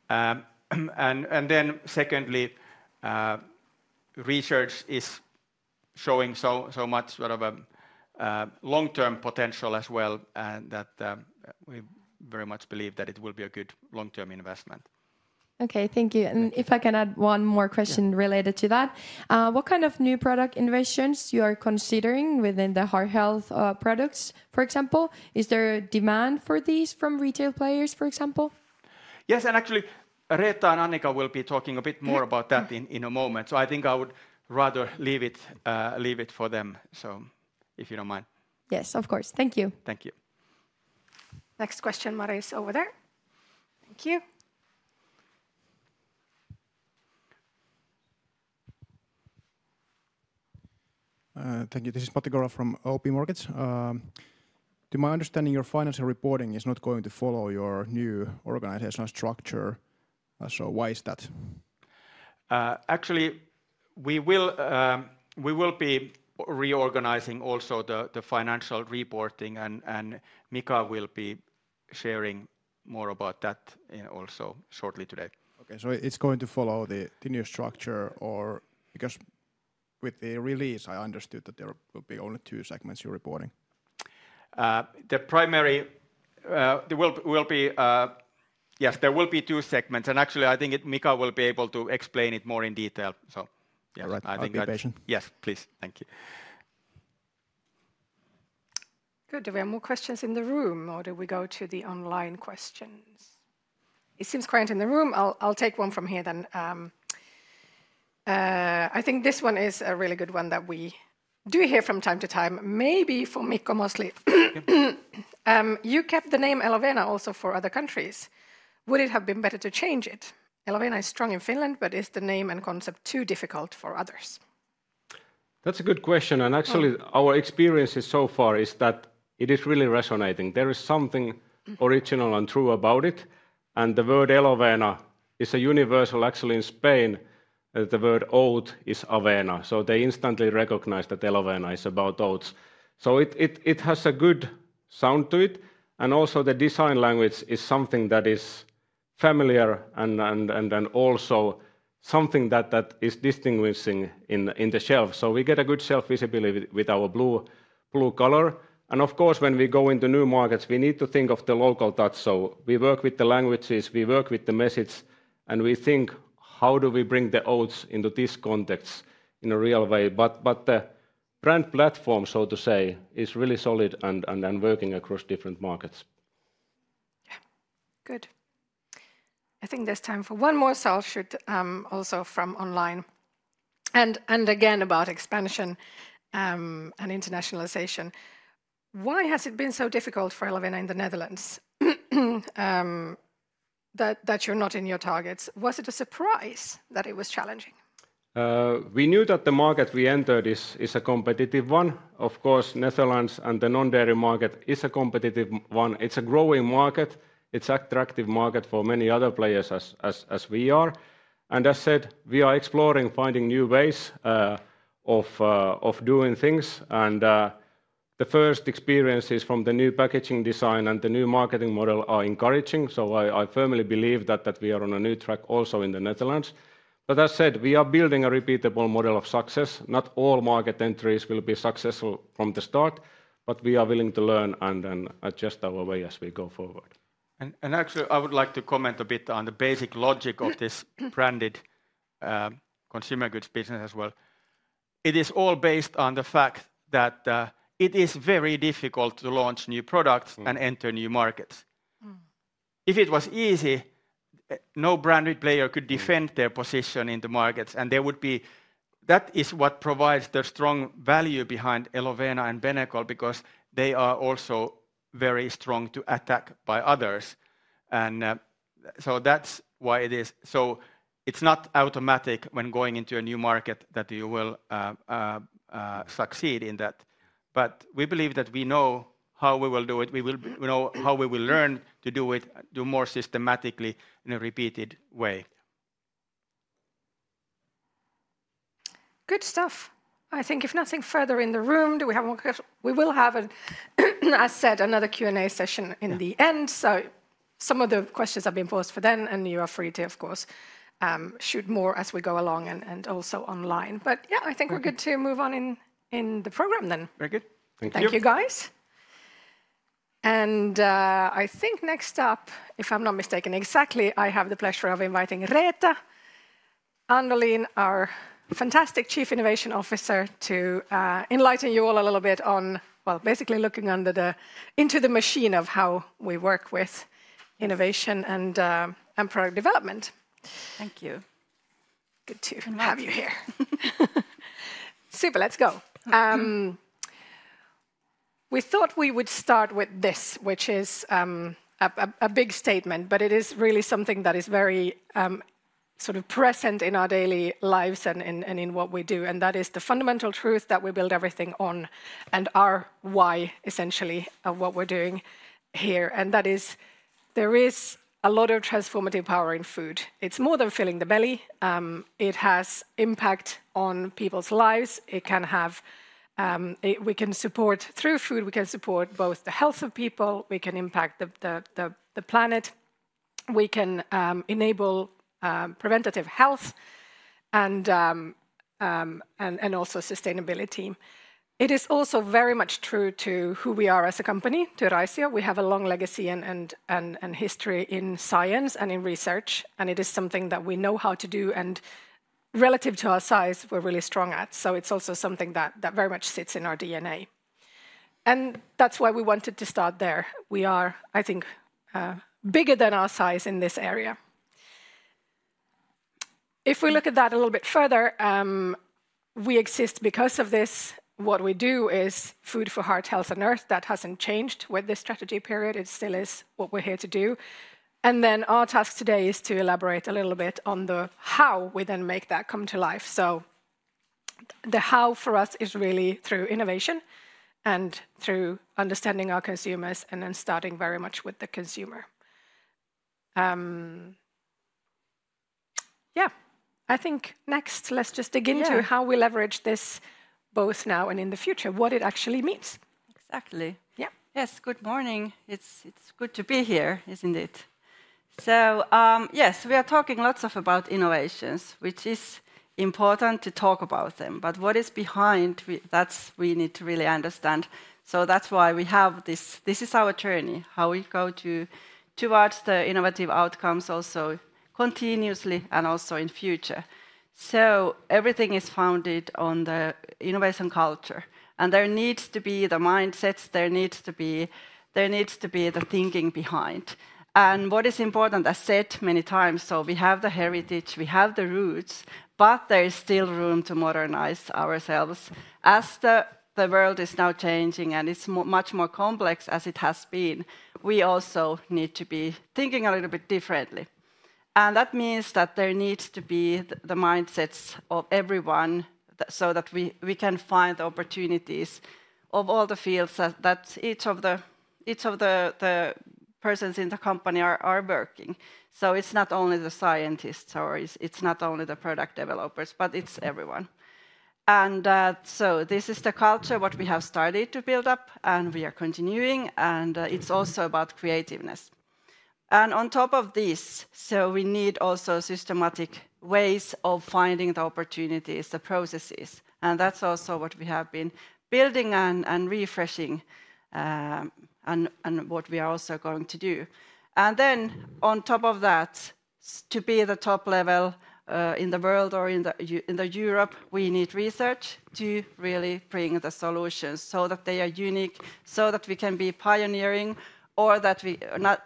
[SPEAKER 2] Then secondly, research is showing so much sort of a long-term potential as well that we very much believe that it will be a good long-term investment.
[SPEAKER 6] Okay. Thank you. If I can add one more question related to that. What kind of new product innovations you are considering within the heart health products, for example? Is there demand for these from retail players, for example?
[SPEAKER 2] Yes. Actually, Reetta and Annika will be talking a bit more about that in a moment. I think I would rather leave it for them, if you do not mind.
[SPEAKER 6] Yes, of course. Thank you.
[SPEAKER 2] Thank you.
[SPEAKER 1] Next question, Maria is over there. Thank you.
[SPEAKER 7] Thank you. This is Matti Korola from OP Markets. To my understanding, your financial reporting is not going to follow your new organizational structure. Why is that?
[SPEAKER 2] Actually, we will be reorganizing also the financial reporting. Mikko will be sharing more about that also shortly today.
[SPEAKER 7] Okay. It is going to follow the new structure or because with the release, I understood that there will be only two segments you are reporting.
[SPEAKER 2] The primary will be, yes, there will be two segments. Actually, I think Mikko will be able to explain it more in detail. Yes, I think that. Right, no complication. Yes, please. Thank you.
[SPEAKER 1] Good. Are there more questions in the room or do we go to the online questions? It seems quiet in the room. I'll take one from here then. I think this one is a really good one that we do hear from time to time, maybe for Mikko mostly. You kept the name Elovena also for other countries. Would it have been better to change it? Elovena is strong in Finland, but is the name and concept too difficult for others?
[SPEAKER 3] That's a good question. Actually, our experience so far is that it is really resonating. There is something original and true about it. The word Elovena is universal, actually in Spain, the word oat is avena. They instantly recognize that Elovena is about oats. It has a good sound to it. Also, the design language is something that is familiar and also something that is distinguishing in the shelf. We get good shelf visibility with our blue color. Of course, when we go into new markets, we need to think of the local touch. We work with the languages, we work with the message, and we think, how do we bring the oats into these contexts in a real way? The brand platform, so to say, is really solid and working across different markets.
[SPEAKER 1] Yeah. Good. I think there's time for one more shout shoot also from online. Again, about expansion and internationalization. Why has it been so difficult for Elovena in the Netherlands that you're not in your targets? Was it a surprise that it was challenging?
[SPEAKER 3] We knew that the market we entered is a competitive one. Of course, Netherlands and the non-dairy market is a competitive one. It's a growing market. It's an attractive market for many other players as we are. As said, we are exploring finding new ways of doing things. The first experiences from the new packaging design and the new marketing model are encouraging. I firmly believe that we are on a new track also in the Netherlands. As said, we are building a repeatable model of success. Not all market entries will be successful from the start, but we are willing to learn and adjust our way as we go forward.
[SPEAKER 2] Actually, I would like to comment a bit on the basic logic of this branded consumer goods business as well. It is all based on the fact that it is very difficult to launch new products and enter new markets. If it was easy, no branded player could defend their position in the markets. That is what provides the strong value behind Elovena and Benecol because they are also very strong to attack by others. That is why it is. It is not automatic when going into a new market that you will succeed in that. We believe that we know how we will do it. We know how we will learn to do it more systematically in a repeated way.
[SPEAKER 1] Good stuff. I think if nothing further in the room, do we have one question? We will have, as said, another Q&A session in the end. Some of the questions have been posed for then, and you are free to, of course, shoot more as we go along and also online. I think we're good to move on in the program then. Very good. Thank you. Thank you, guys. I think next up, if I'm not mistaken exactly, I have the pleasure of inviting Reetta Andolin, our fantastic Chief Innovation Officer, to enlighten you all a little bit on, basically looking under the machine of how we work with innovation and product development.
[SPEAKER 8] Thank you.
[SPEAKER 1] Good to have you here. Super. Let's go. We thought we would start with this, which is a big statement, but it is really something that is very sort of present in our daily lives and in what we do. That is the fundamental truth that we build everything on and our why, essentially, of what we're doing here. That is, there is a lot of transformative power in food. It's more than filling the belly. It has impact on people's lives. We can support through food, we can support both the health of people, we can impact the planet, we can enable preventative health, and also sustainability. It is also very much true to who we are as a company, to Raisio. We have a long legacy and history in science and in research. It is something that we know how to do. Relative to our size, we're really strong at it. It is also something that very much sits in our DNA. That's why we wanted to start there. We are, I think, bigger than our size in this area. If we look at that a little bit further, we exist because of this. What we do is food for heart, health, and earth. That has not changed with this strategy period. It still is what we are here to do. Our task today is to elaborate a little bit on how we then make that come to life. The how for us is really through innovation and through understanding our consumers and then starting very much with the consumer. Yeah. I think next, let's just dig into how we leverage this both now and in the future, what it actually means. Exactly.
[SPEAKER 8] Yes. Good morning. It's good to be here, isn't it? Yes, we are talking lots about innovations, which is important to talk about them. What is behind, that is what we need to really understand. That is why we have this. This is our journey, how we go towards the innovative outcomes also continuously and also in the future. Everything is founded on the innovation culture. There needs to be the mindsets. There needs to be the thinking behind. What is important, as said many times, we have the heritage, we have the roots, but there is still room to modernize ourselves. As the world is now changing and it is much more complex as it has been, we also need to be thinking a little bit differently. That means that there needs to be the mindsets of everyone so that we can find the opportunities of all the fields that each of the persons in the company are working. It is not only the scientists or it is not only the product developers, but it is everyone. This is the culture we have started to build up and we are continuing. It is also about creativeness. On top of this, we need systematic ways of finding the opportunities, the processes. That is also what we have been building and refreshing and what we are also going to do. On top of that, to be at the top level in the world or in Europe, we need research to really bring the solutions so that they are unique, so that we can be pioneering, or that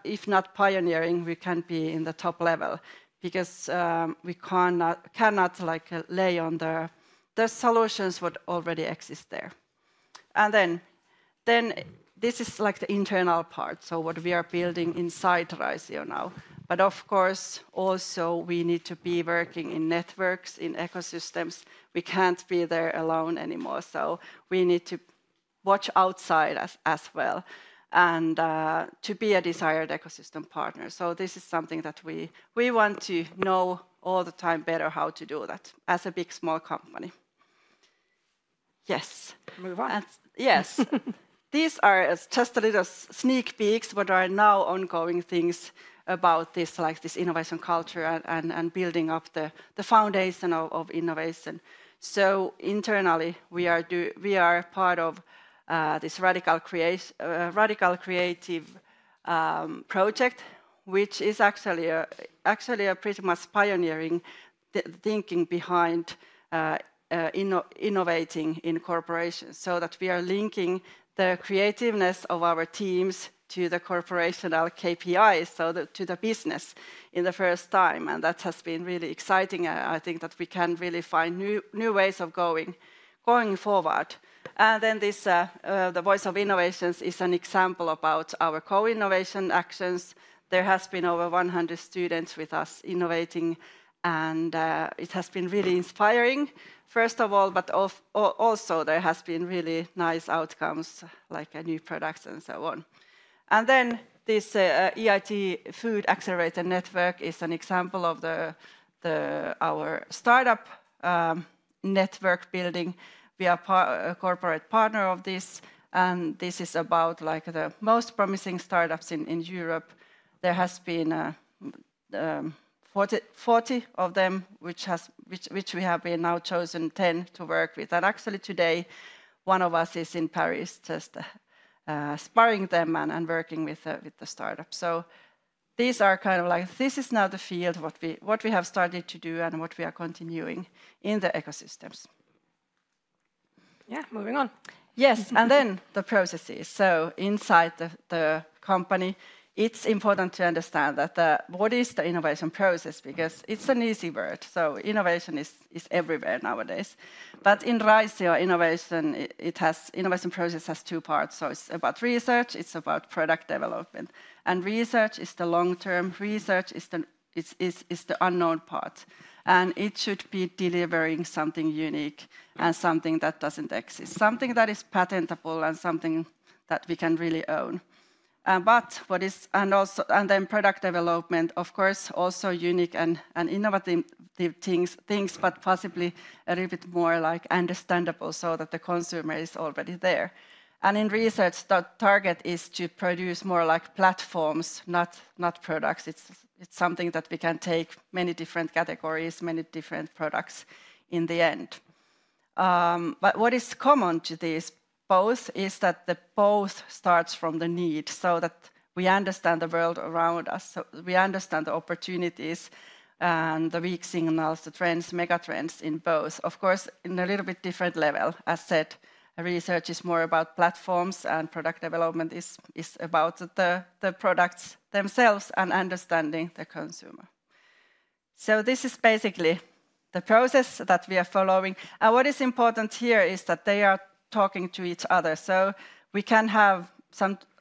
[SPEAKER 8] if not pioneering, we can be in the top level because we cannot lay on the solutions that already exist there. This is like the internal part, what we are building inside Raisio now. Of course, we also need to be working in networks, in ecosystems. We can't be there alone anymore. We need to watch outside as well and to be a desired ecosystem partner. This is something that we want to know all the time better, how to do that as a big small company. Yes. Move on. Yes. These are just a little sneak peeks, but there are now ongoing things about this innovation culture and building up the foundation of innovation. Internally, we are part of this radical creative project, which is actually pretty much pioneering thinking behind innovating in corporations, so that we are linking the creativeness of our teams to the corporational KPIs, to the business in the first time. That has been really exciting. I think that we can really find new ways of going forward. The Voice of Innovations is an example about our co-innovation actions. There have been over 100 students with us innovating, and it has been really inspiring, first of all, but also there have been really nice outcomes, like a new product and so on. This EIT Food Accelerator Network is an example of our startup network building. We are a corporate partner of this, and this is about the most promising startups in Europe. There have been 40 of them, which we have now chosen 10 to work with. Actually today, one of us is in Paris just sparring them and working with the startup. These are kind of like, this is now the field, what we have started to do and what we are continuing in the ecosystems. Yeah, moving on. Yes. The processes. Inside the company, it's important to understand what is the innovation process because it's an easy word. Innovation is everywhere nowadays. In Raisio, the innovation process has two parts. It is about research, it is about product development. Research is the long-term, research is the unknown part. It should be delivering something unique and something that does not exist, something that is patentable and something that we can really own. Product development, of course, also unique and innovative things, but possibly a little bit more understandable so that the consumer is already there. In research, the target is to produce more like platforms, not products. It is something that we can take to many different categories, many different products in the end. What is common to both is that both start from the need so that we understand the world around us. We understand the opportunities and the weak signals, the trends, megatrends in both. Of course, in a little bit different level, as said, research is more about platforms and product development is about the products themselves and understanding the consumer. This is basically the process that we are following. What is important here is that they are talking to each other. We can have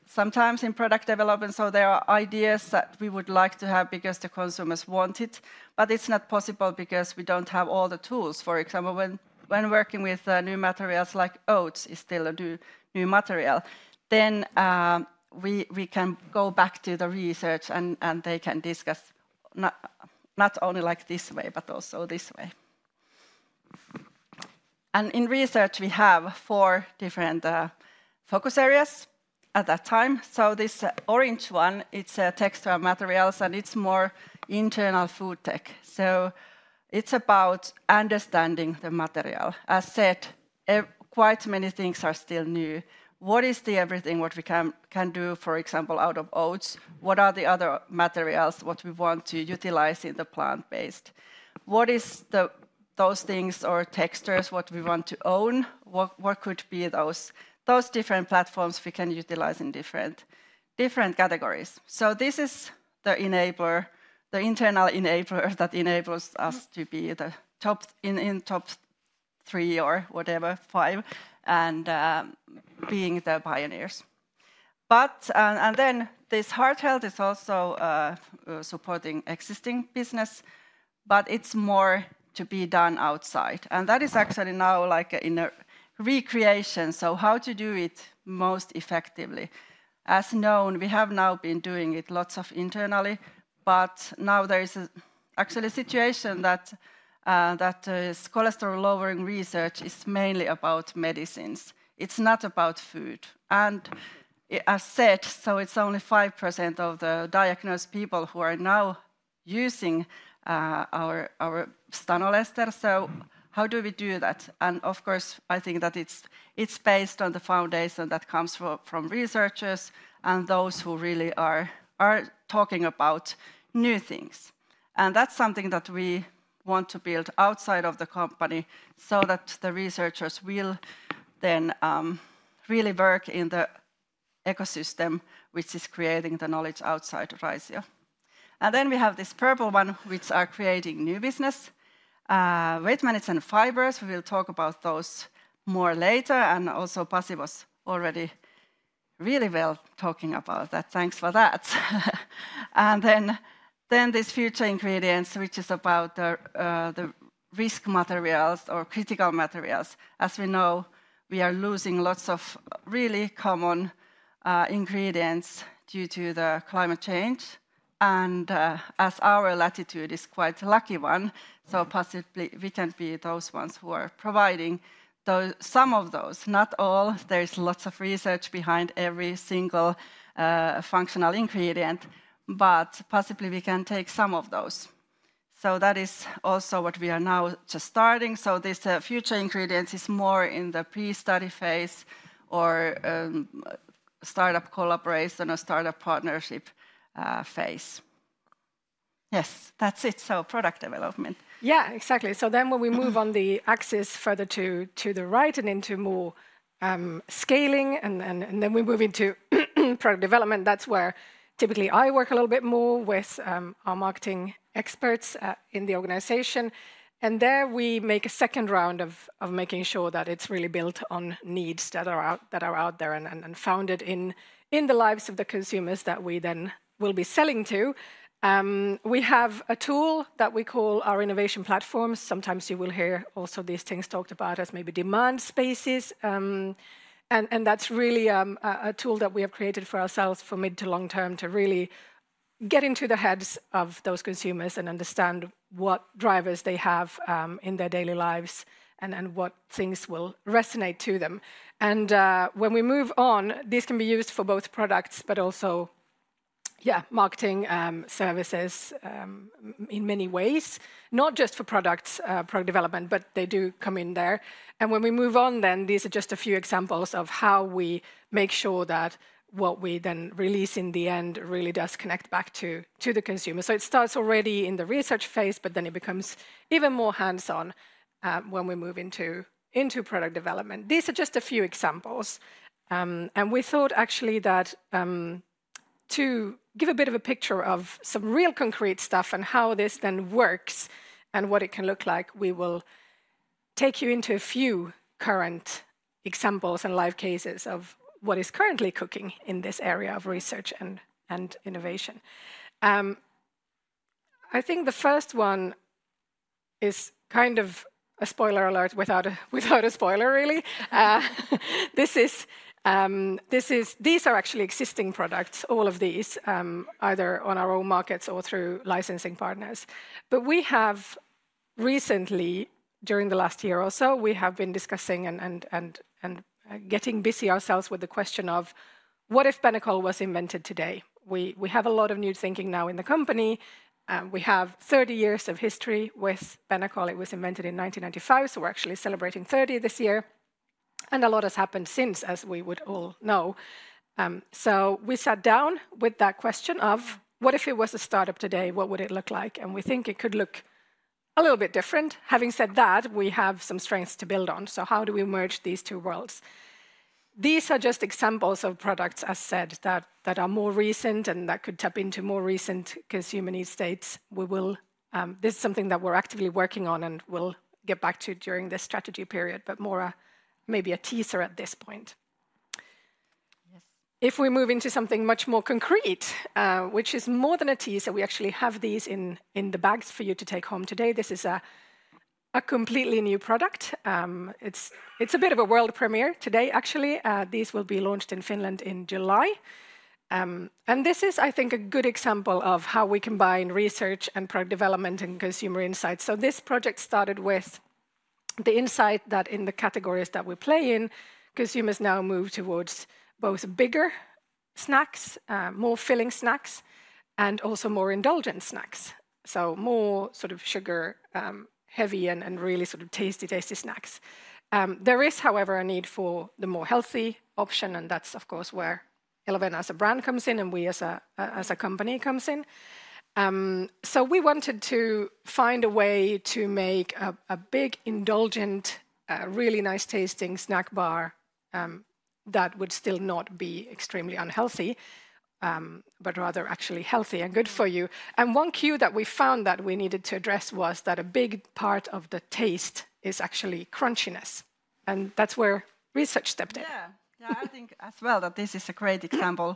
[SPEAKER 8] sometimes in product development, there are ideas that we would like to have because the consumers want it, but it's not possible because we don't have all the tools. For example, when working with new materials like oats is still a new material, we can go back to the research and they can discuss not only like this way, but also this way. In research, we have four different focus areas at that time. This orange one, it's textural materials and it's more internal food tech. It's about understanding the material. As said, quite many things are still new. What is the everything what we can do, for example, out of oats? What are the other materials what we want to utilize in the plant-based? What is those things or textures what we want to own? What could be those different platforms we can utilize in different categories? This is the internal enabler that enables us to be in top three or whatever, five, and being the pioneers. This heart health is also supporting existing business, but it's more to be done outside. That is actually now like in a recreation. How to do it most effectively? As known, we have now been doing it lots of internally, but now there is actually a situation that cholesterol-lowering research is mainly about medicines. It's not about food. As said, it's only 5% of the diagnosed people who are now using our stanol ester. How do we do that? I think that it's based on the foundation that comes from researchers and those who really are talking about new things. That's something that we want to build outside of the company so that the researchers will then really work in the ecosystem, which is creating the knowledge outside Raisio. We have this purple one, which is creating new business, weight management fibers. We will talk about those more later. Also, Pasi was already really well talking about that. Thanks for that. This future ingredients, which is about the risk materials or critical materials. As we know, we are losing lots of really common ingredients due to climate change. As our latitude is quite a lucky one, possibly we can be those ones who are providing some of those, not all. There is lots of research behind every single functional ingredient, but possibly we can take some of those. That is also what we are now just starting. This future ingredients is more in the pre-study phase or startup collaboration or startup partnership phase. Yes, that's it. Product development.
[SPEAKER 1] Yeah, exactly. When we move on the axis further to the right and into more scaling, and then we move into product development, that's where typically I work a little bit more with our marketing experts in the organization. There we make a second round of making sure that it's really built on needs that are out there and founded in the lives of the consumers that we then will be selling to. We have a tool that we call our innovation platforms. Sometimes you will hear also these things talked about as maybe demand spaces. That is really a tool that we have created for ourselves for mid to long term to really get into the heads of those consumers and understand what drivers they have in their daily lives and what things will resonate to them. When we move on, this can be used for both products, but also, yeah, marketing services in many ways, not just for product development, but they do come in there. When we move on, these are just a few examples of how we make sure that what we then release in the end really does connect back to the consumer. It starts already in the research phase, but then it becomes even more hands-on when we move into product development. These are just a few examples. We thought actually that to give a bit of a picture of some real concrete stuff and how this then works and what it can look like, we will take you into a few current examples and live cases of what is currently cooking in this area of research and innovation. I think the first one is kind of a spoiler alert without a spoiler, really. These are actually existing products, all of these, either on our own markets or through licensing partners. We have recently, during the last year or so, been discussing and getting busy ourselves with the question of what if Benecol was invented today? We have a lot of new thinking now in the company. We have 30 years of history with Benecol. It was invented in 1995, so we're actually celebrating 30 this year. A lot has happened since, as we would all know. We sat down with that question of what if it was a startup today, what would it look like? We think it could look a little bit different. Having said that, we have some strengths to build on. How do we merge these two worlds? These are just examples of products, as said, that are more recent and that could tap into more recent consumer needs states. This is something that we're actively working on and we'll get back to during this strategy period, but more maybe a teaser at this point. If we move into something much more concrete, which is more than a teaser, we actually have these in the bags for you to take home today. This is a completely new product. It's a bit of a world premiere today, actually. These will be launched in Finland in July. This is, I think, a good example of how we combine research and product development and consumer insights. This project started with the insight that in the categories that we play in, consumers now move towards both bigger snacks, more filling snacks, and also more indulgent snacks. More sort of sugar-heavy and really sort of tasty, tasty snacks. There is, however, a need for the more healthy option, and that's, of course, where Elovena as a brand comes in and we as a company come in. We wanted to find a way to make a big, indulgent, really nice tasting snack bar that would still not be extremely unhealthy, but rather actually healthy and good for you. One cue that we found that we needed to address was that a big part of the taste is actually crunchiness. That's where research stepped in.
[SPEAKER 8] I think as well that this is a great example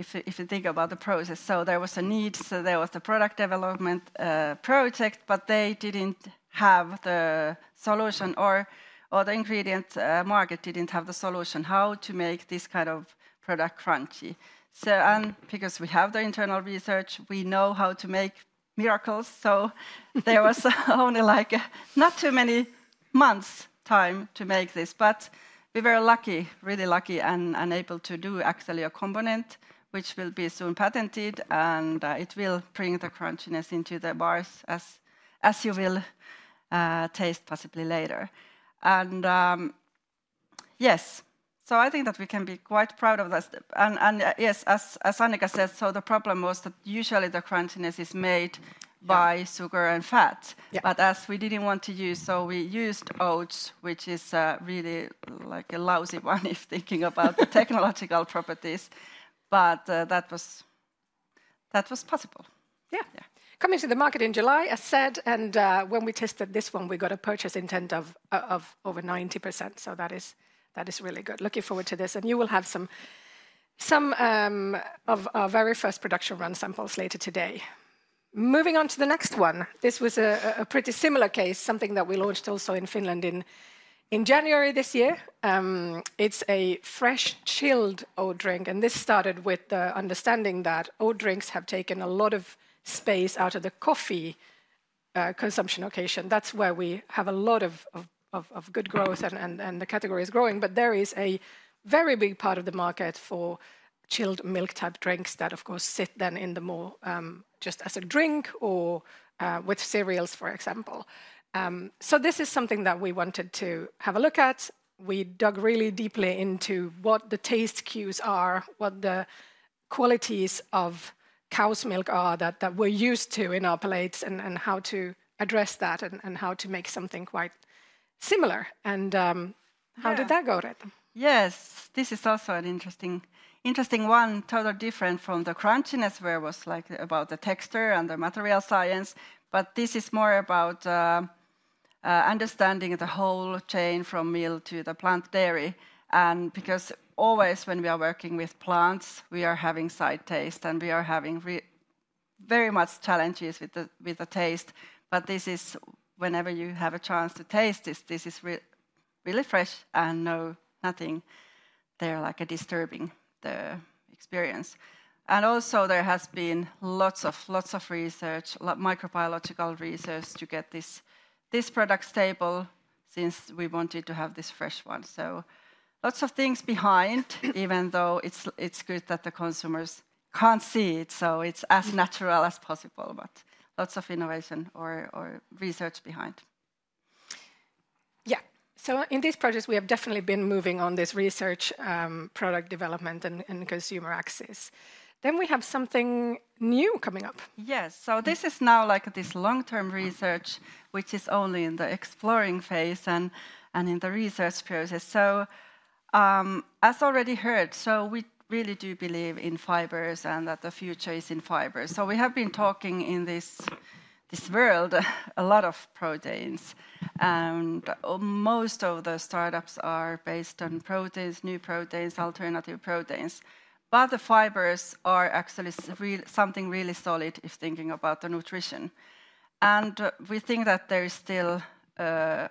[SPEAKER 8] if you think about the process. There was a need, so there was the product development project, but they did not have the solution or the ingredient market did not have the solution how to make this kind of product crunchy. Because we have the internal research, we know how to make miracles. There was only like not too many months' time to make this, but we were lucky, really lucky and able to do actually a component which will be soon patented and it will bring the crunchiness into the bars as you will taste possibly later. Yes, I think that we can be quite proud of this. Yes, as Annika said, the problem was that usually the crunchiness is made by sugar and fat. As we did not want to use, we used oats, which is really like a lousy one if thinking about the technological properties. That was possible.
[SPEAKER 1] Coming to the market in July, as said, and when we tested this one, we got a purchase intent of over 90%. That is really good. Looking forward to this. You will have some of our very first production run samples later today. Moving on to the next one. This was a pretty similar case, something that we launched also in Finland in January this year. It is a fresh chilled oat drink. This started with the understanding that oat drinks have taken a lot of space out of the coffee consumption occasion. That is where we have a lot of good growth and the category is growing. There is a very big part of the market for chilled milk type drinks that, of course, sit then more just as a drink or with cereals, for example. This is something that we wanted to have a look at. We dug really deeply into what the taste cues are, what the qualities of cow's milk are that we're used to in our plates and how to address that and how to make something quite similar. How did that go, Rit?
[SPEAKER 8] Yes, this is also an interesting one, totally different from the crunchiness where it was like about the texture and the material science. This is more about understanding the whole chain from milk to the plant dairy. Because always when we are working with plants, we are having side taste and we are having very much challenges with the taste. Whenever you have a chance to taste this, this is really fresh and nothing there like disturbing the experience. Also, there has been lots of research, microbiological research to get this product stable since we wanted to have this fresh one. Lots of things behind, even though it's good that the consumers can't see it. It's as natural as possible, but lots of innovation or research behind.
[SPEAKER 1] Yeah. In this project, we have definitely been moving on this research, product development, and consumer access. We have something new coming up.
[SPEAKER 8] Yes. This is now like this long-term research, which is only in the exploring phase and in the research process. As already heard, we really do believe in fibers and that the future is in fibers. We have been talking in this world a lot of proteins. Most of the startups are based on proteins, new proteins, alternative proteins. The fibers are actually something really solid if thinking about the nutrition. We think that there is still a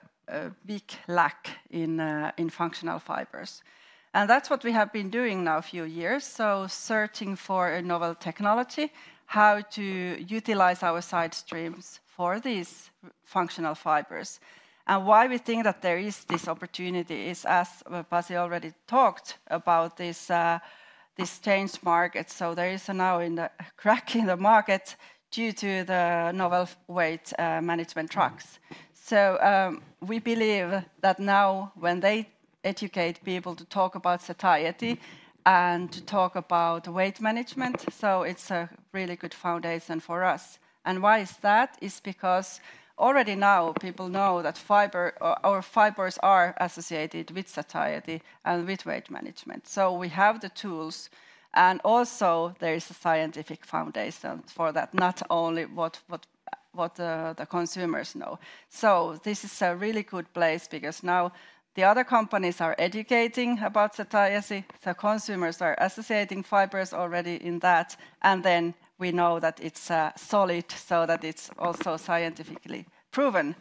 [SPEAKER 8] big lack in functional fibers. That is what we have been doing now a few years. Searching for a novel technology, how to utilize our side streams for these functional fibers. We think that there is this opportunity, as Pasi already talked about, this changed market. There is now a crack in the market due to the novel weight management drugs. We believe that now when they educate people to talk about satiety and to talk about weight management, it is a really good foundation for us. Why is that? It is because already now people know that fibers are associated with satiety and with weight management. We have the tools and also there is a scientific foundation for that, not only what the consumers know. This is a really good place because now the other companies are educating about satiety. The consumers are associating fibers already in that. We know that it's solid so that it's also scientifically proven.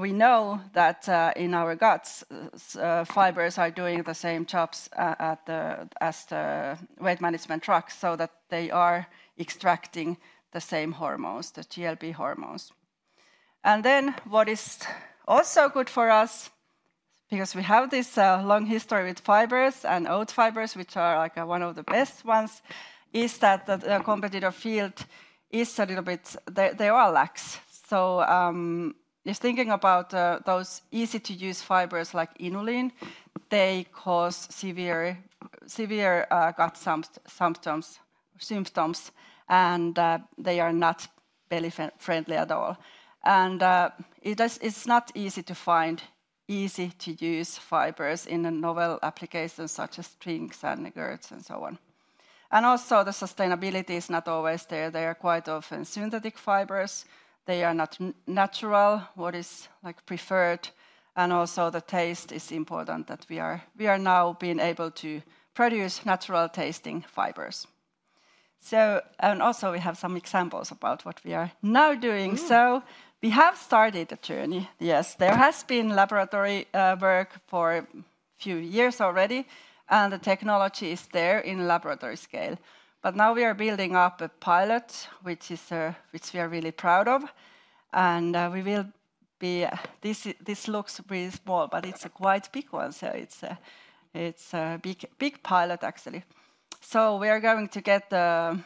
[SPEAKER 8] We know that in our guts, fibers are doing the same jobs as the weight management drugs so that they are extracting the same hormones, the GLP-1 hormones. What is also good for us, because we have this long history with fibers and oat fibers, which are like one of the best ones, is that the competitor field is a little bit, there are lacks. If thinking about those easy-to-use fibers like inulin, they cause severe gut symptoms and they are not very friendly at all. It's not easy to find easy-to-use fibers in a novel application such as drinks and gourds and so on. Also, the sustainability is not always there. There are quite often synthetic fibers. They are not natural, what is preferred. Also, the taste is important that we are now being able to produce natural tasting fibers. Also, we have some examples about what we are now doing. We have started the journey. Yes, there has been laboratory work for a few years already. The technology is there in laboratory scale. Now we are building up a pilot, which we are really proud of. We will be, this looks really small, but it is a quite big one. It is a big pilot, actually. We are going to get the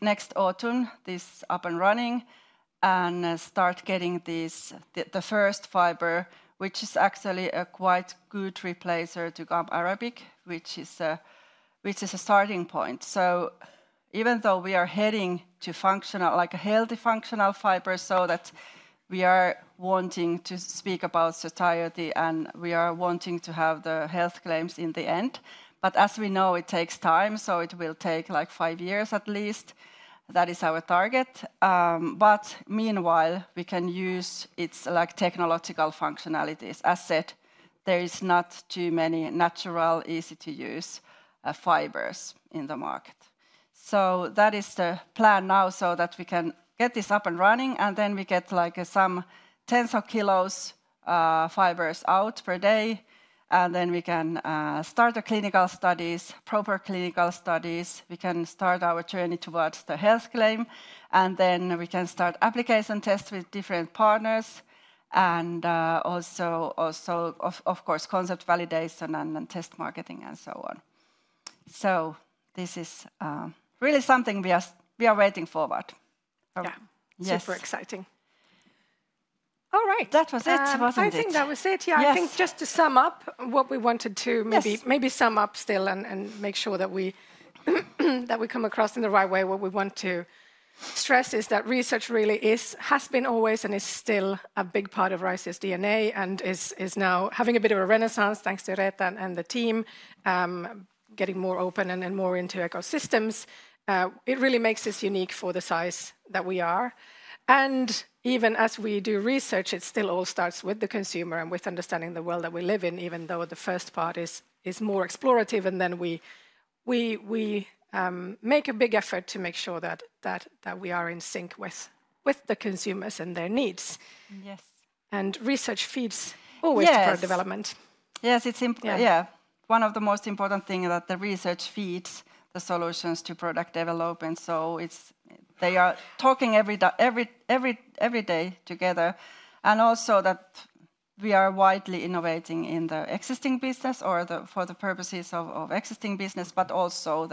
[SPEAKER 8] next autumn, this up and running and start getting the first fiber, which is actually a quite good replacer to gum arabic, which is a starting point. Even though we are heading to functional, like a healthy functional fiber, we are wanting to speak about satiety and we are wanting to have the health claims in the end. As we know, it takes time. It will take like five years at least. That is our target. Meanwhile, we can use its technological functionalities. As said, there are not too many natural, easy-to-use fibers in the market. That is the plan now so that we can get this up and running and then we get like some tens of kilos of fibers out per day. Then we can start the clinical studies, proper clinical studies. We can start our journey towards the health claim. We can start application tests with different partners. Also, of course, concept validation and test marketing and so on.
[SPEAKER 2] This is really something we are waiting forward.
[SPEAKER 1] Yeah, super exciting. All right. That was it. I think that was it. Yeah, I think just to sum up what we wanted to maybe sum up still and make sure that we come across in the right way, what we want to stress is that research really has been always and is still a big part of Raisio's DNA and is now having a bit of a renaissance thanks to Reetta and the team, getting more open and more into ecosystems. It really makes us unique for the size that we are. Even as we do research, it still all starts with the consumer and with understanding the world that we live in, even though the first part is more explorative. We make a big effort to make sure that we are in sync with the consumers and their needs. Research feeds always product development.
[SPEAKER 8] Yes, it is one of the most important things that the research feeds the solutions to product development. They are talking every day together. We are widely innovating in the existing business or for the purposes of existing business, but also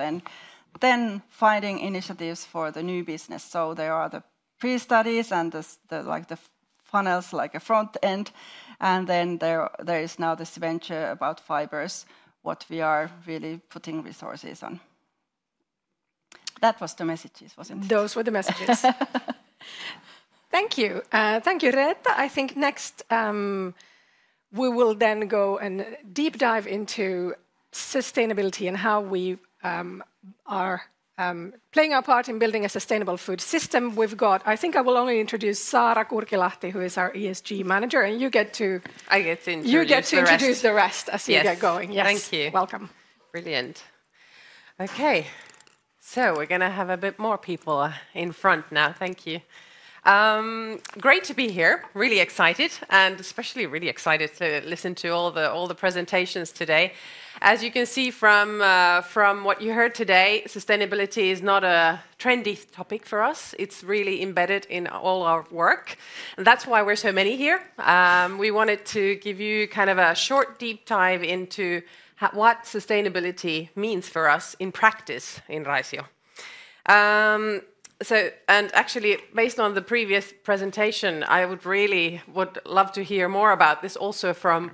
[SPEAKER 8] finding initiatives for the new business. There are the pre-studies and the funnels, like a front end. There is now this venture about fibers, what we are really putting resources on. That was the messages, was it not?
[SPEAKER 1] Those were the messages. Thank you. Thank you, Reetta. I think next we will go and deep dive into sustainability and how we are playing our part in building a sustainable food system. We've got, I think I will only introduce Saara Kurkilahti, who is our ESG manager, and you get to. I get to introduce. You get to introduce the rest as you get going. Yes. Thank you. Welcome.
[SPEAKER 9] Brilliant. Okay. We're going to have a bit more people in front now. Thank you. Great to be here. Really excited and especially really excited to listen to all the presentations today. As you can see from what you heard today, sustainability is not a trendy topic for us. It's really embedded in all our work. That's why we're so many here. We wanted to give you kind of a short deep dive into what sustainability means for us in practice in Raisio. Actually, based on the previous presentation, I would really love to hear more about this also from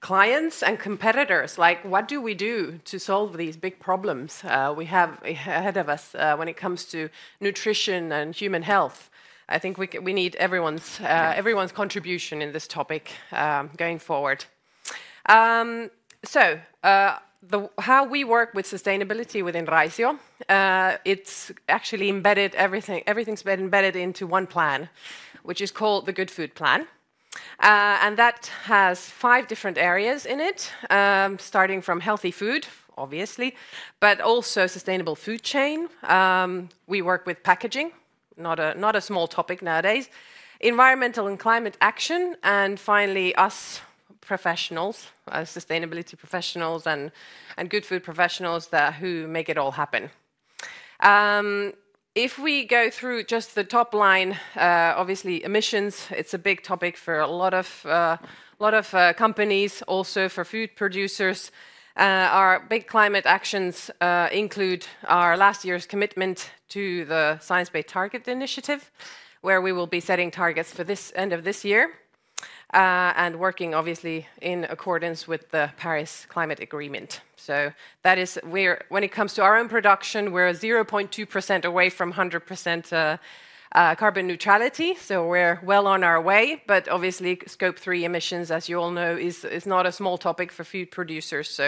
[SPEAKER 9] clients and competitors. Like what do we do to solve these big problems we have ahead of us when it comes to nutrition and human health? I think we need everyone's contribution in this topic going forward. How we work with sustainability within Raisio, it's actually embedded, everything's been embedded into one plan, which is called the Good Food Plan. That has five different areas in it, starting from healthy food, obviously, but also sustainable food chain. We work with packaging, not a small topic nowadays, environmental and climate action, and finally us professionals, sustainability professionals and good food professionals who make it all happen. If we go through just the top line, obviously emissions, it's a big topic for a lot of companies, also for food producers. Our big climate actions include our last year's commitment to the Science-based Target initiative, where we will be setting targets for this end of this year and working obviously in accordance with the Paris Climate Agreement. That is where when it comes to our own production, we're 0.2% away from 100% carbon neutrality. We're well on our way. Obviously scope three emissions, as you all know, is not a small topic for food producers.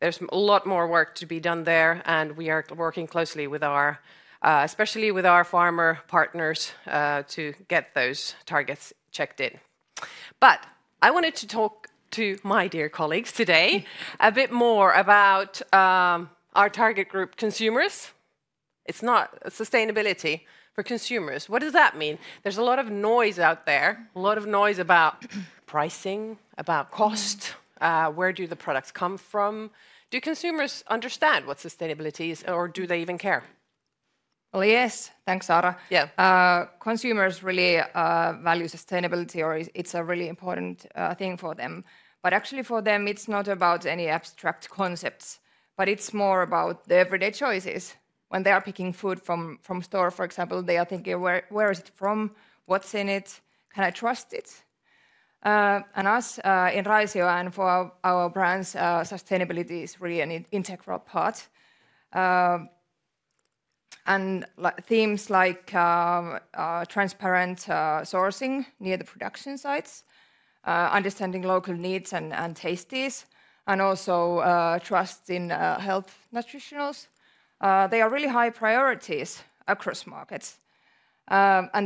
[SPEAKER 9] There's a lot more work to be done there. We are working closely with our, especially with our farmer partners to get those targets checked in. I wanted to talk to my dear colleagues today a bit more about our target group, consumers. It's not sustainability for consumers. What does that mean? There's a lot of noise out there, a lot of noise about pricing, about cost. Where do the products come from? Do consumers understand what sustainability is or do they even care? Yes. Thanks, Saara. Yeah. Consumers really value sustainability or it's a really important thing for them. Actually for them, it's not about any abstract concepts, but it's more about the everyday choices. When they are picking food from store, for example, they are thinking, where is it from? What's in it? Can I trust it? Us in Raisio and for our brands, sustainability is really an integral part. Themes like transparent sourcing near the production sites, understanding local needs and tastes, and also trust in health nutritionals are really high priorities across markets.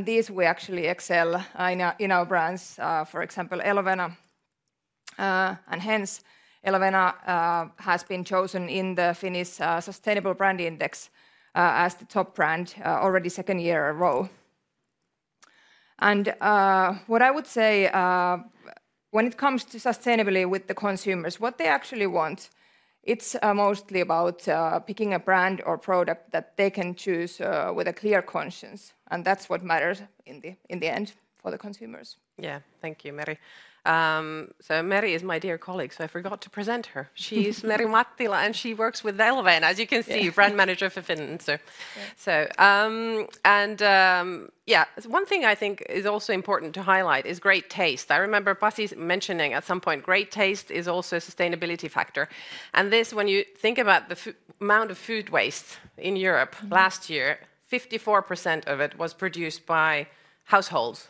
[SPEAKER 9] These we actually excel in our brands, for example, Elovena. Hence, Elovena has been chosen in the Finnish Sustainable Brand Index as the top brand already second year in a row. What I would say when it comes to sustainability with the consumers, what they actually want, it's mostly about picking a brand or product that they can choose with a clear conscience. That is what matters in the end for the consumers. Yeah, thank you, Meri. Meri is my dear colleague, so I forgot to present her. She is Meri Mattila, and she works with Elovena, as you can see, brand manager for Finland. One thing I think is also important to highlight is great taste. I remember Pasi mentioning at some point, great taste is also a sustainability factor. When you think about the amount of food waste in Europe last year, 54% of it was produced by households.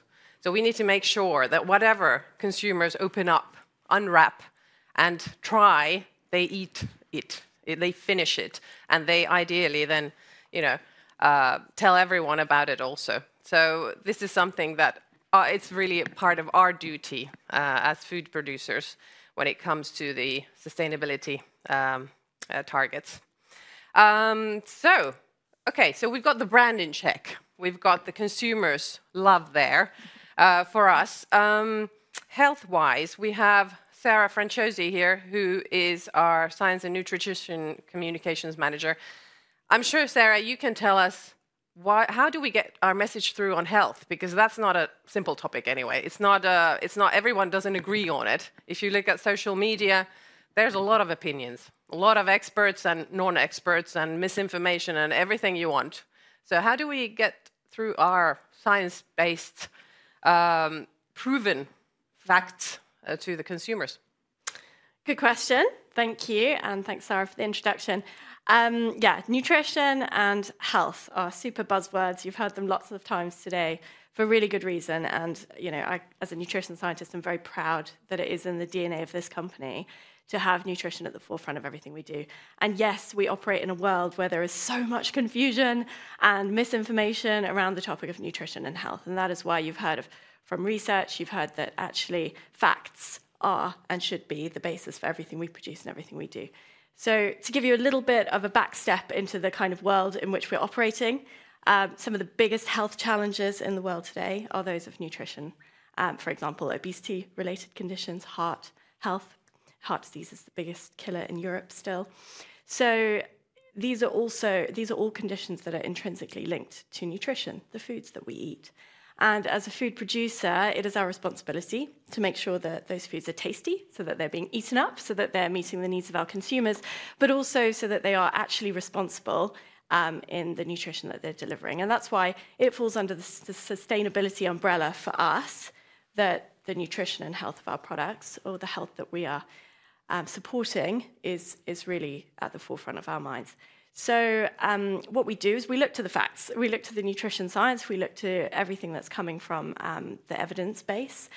[SPEAKER 9] We need to make sure that whatever consumers open up, unwrap, and try, they eat it. They finish it. They ideally then tell everyone about it also. This is something that is really part of our duty as food producers when it comes to the sustainability targets. Okay, we have got the brand in check. We have got the consumers' love there for us. Health-wise, we have Sarah Franciosi here, who is our Science and Nutrition Communications Manager. I am sure, Sarah, you can tell us how do we get our message through on health, because that is not a simple topic anyway. Not everyone agrees on it. If you look at social media, there are a lot of opinions, a lot of experts and non-experts and misinformation and everything you want. How do we get through our science-based proven facts to the consumers?
[SPEAKER 10] Good question. Thank you. Thanks, Sarah, for the introduction. Yeah, nutrition and health are super buzzwords. You've heard them lots of times today for really good reason. As a nutrition scientist, I'm very proud that it is in the DNA of this company to have nutrition at the forefront of everything we do. Yes, we operate in a world where there is so much confusion and misinformation around the topic of nutrition and health. That is why you've heard from research, you've heard that actually facts are and should be the basis for everything we produce and everything we do. To give you a little bit of a back step into the kind of world in which we're operating, some of the biggest health challenges in the world today are those of nutrition. For example, obesity-related conditions, heart health, heart disease is the biggest killer in Europe still. These are all conditions that are intrinsically linked to nutrition, the foods that we eat. As a food producer, it is our responsibility to make sure that those foods are tasty so that they're being eaten up, so that they're meeting the needs of our consumers, but also so that they are actually responsible in the nutrition that they're delivering. That is why it falls under the sustainability umbrella for us that the nutrition and health of our products or the health that we are supporting is really at the forefront of our minds. What we do is we look to the facts. We look to the nutrition science. We look to everything that's coming from the evidence base.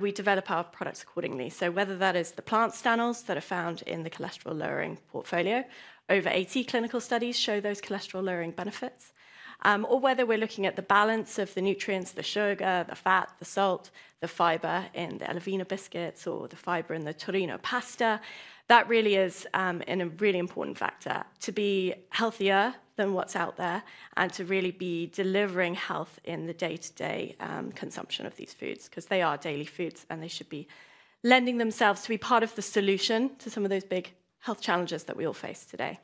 [SPEAKER 10] We develop our products accordingly. Whether that is the plant stanols that are found in the cholesterol-lowering portfolio, over 80 clinical studies show those cholesterol-lowering benefits, or whether we're looking at the balance of the nutrients, the sugar, the fat, the salt, the fiber in the Elovena biscuits or the fiber in the Torino pasta, that really is a really important factor to be healthier than what's out there and to really be delivering health in the day-to-day consumption of these foods because they are daily foods and they should be lending themselves to be part of the solution to some of those big health challenges that we all face today.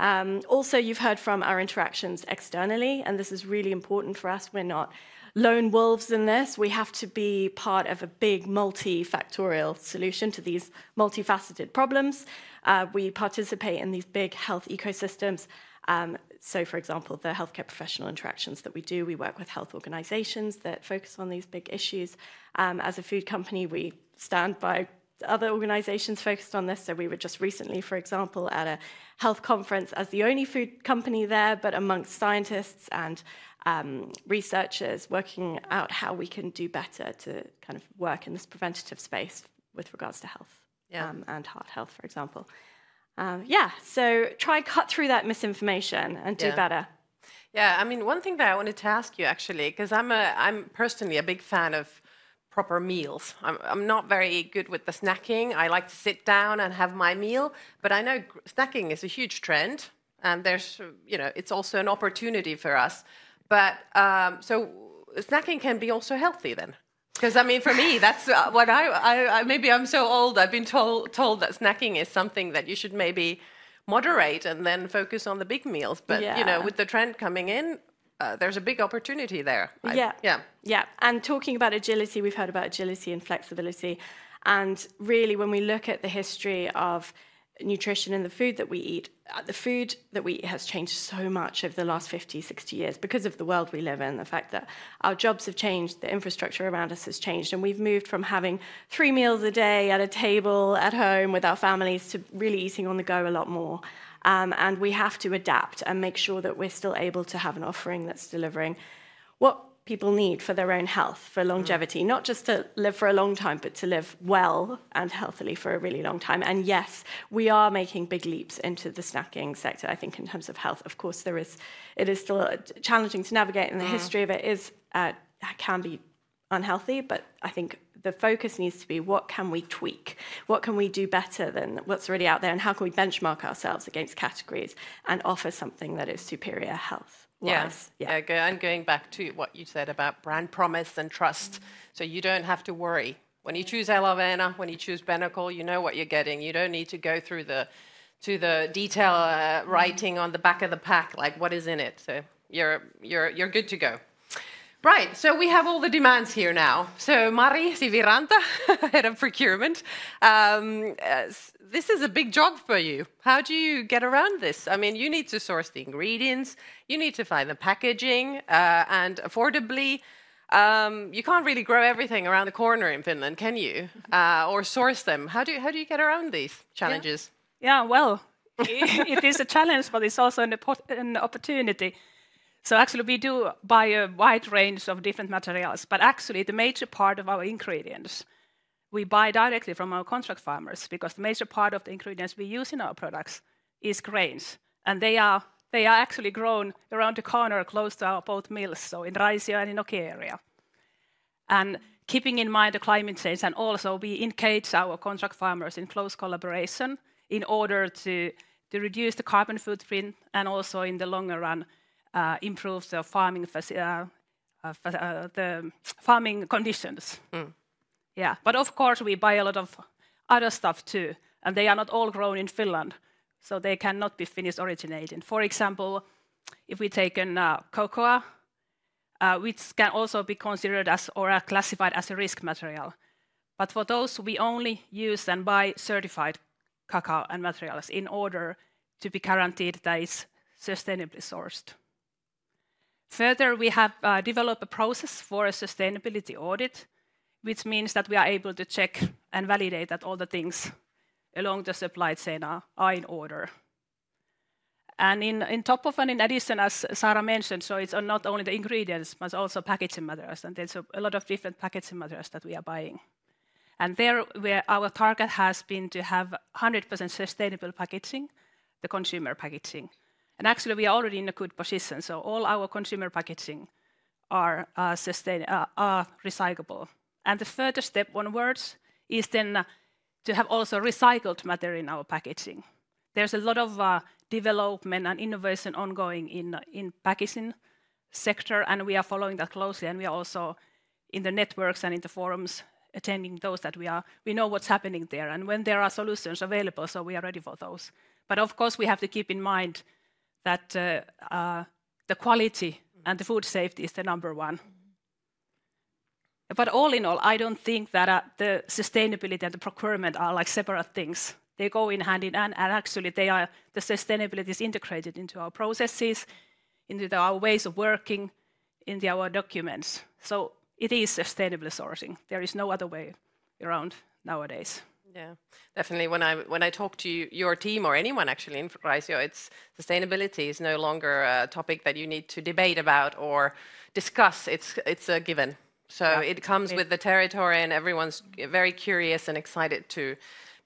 [SPEAKER 10] Also, you've heard from our interactions externally, and this is really important for us. We're not lone wolves in this. We have to be part of a big multi-factorial solution to these multifaceted problems. We participate in these big health ecosystems. For example, the healthcare professional interactions that we do, we work with health organizations that focus on these big issues. As a food company, we stand by other organizations focused on this. We were just recently, for example, at a health conference as the only food company there, but amongst scientists and researchers working out how we can do better to kind of work in this preventative space with regards to health and heart health, for example. Yeah, try to cut through that misinformation and do better.
[SPEAKER 9] Yeah, I mean, one thing that I wanted to ask you actually, because I am personally a big fan of proper meals. I am not very good with the snacking. I like to sit down and have my meal, but I know snacking is a huge trend. It is also an opportunity for us. Snacking can be also healthy then. Because I mean, for me, that's what I maybe I'm so old, I've been told that snacking is something that you should maybe moderate and then focus on the big meals. With the trend coming in, there's a big opportunity there. Yeah, yeah.
[SPEAKER 10] Talking about agility, we've heard about agility and flexibility. Really, when we look at the history of nutrition and the food that we eat, the food that we eat has changed so much over the last 50-60 years because of the world we live in, the fact that our jobs have changed, the infrastructure around us has changed. We've moved from having three meals a day at a table at home with our families to really eating on the go a lot more. We have to adapt and make sure that we're still able to have an offering that's delivering what people need for their own health, for longevity, not just to live for a long time, but to live well and healthily for a really long time. Yes, we are making big leaps into the snacking sector, I think, in terms of health. Of course, it is still challenging to navigate and the history of it can be unhealthy, but I think the focus needs to be what can we tweak, what can we do better than what's already out there, and how can we benchmark ourselves against categories and offer something that is superior health? Yes.
[SPEAKER 9] Yeah, good. I'm going back to what you said about brand promise and trust. You don't have to worry. When you choose Elovena, when you choose Benecol, you know what you're getting. You do not need to go through the detail writing on the back of the pack, like what is in it. So you are good to go. Right, we have all the demands here now. So Mari Siviranta, Head of Procurement, this is a big job for you. How do you get around this? I mean, you need to source the ingredients, you need to find the packaging, and affordably, you cannot really grow everything around the corner in Finland, can you? Or source them. How do you get around these challenges?
[SPEAKER 11] Yeah, it is a challenge, but it is also an opportunity. Actually, we do buy a wide range of different materials, but actually the major part of our ingredients, we buy directly from our contract farmers because the major part of the ingredients we use in our products is grains. They are actually grown around the corner close to our both mills, so in Raisio and in Nokia area. Keeping in mind the climate change, we engage our contract farmers in close collaboration in order to reduce the carbon footprint and also in the longer run improve the farming conditions. Yeah, of course, we buy a lot of other stuff too. They are not all grown in Finland, so they cannot be Finnish originated. For example, if we take cocoa, which can also be considered as or classified as a risk material. For those, we only use and buy certified cacao and materials in order to be guaranteed that it's sustainably sourced. Further, we have developed a process for a sustainability audit, which means that we are able to check and validate that all the things along the supply chain are in order. In addition, as Sarah mentioned, it is not only the ingredients, but also packaging materials. There are a lot of different packaging materials that we are buying. Our target has been to have 100% sustainable packaging, the consumer packaging. Actually, we are already in a good position. All our consumer packaging are recyclable. The further step onwards is then to have also recycled material in our packaging. There is a lot of development and innovation ongoing in the packaging sector, and we are following that closely. We are also in the networks and in the forums attending those that we know what is happening there. When there are solutions available, we are ready for those. Of course, we have to keep in mind that the quality and the food safety is the number one. All in all, I do not think that the sustainability and the procurement are like separate things. They go hand in hand. Actually, the sustainability is integrated into our processes, into our ways of working, into our documents. It is sustainable sourcing. There is no other way around nowadays.
[SPEAKER 9] Yeah, definitely. When I talk to your team or anyone actually in Raisio, sustainability is no longer a topic that you need to debate about or discuss. It is a given. It comes with the territory, and everyone's very curious and excited to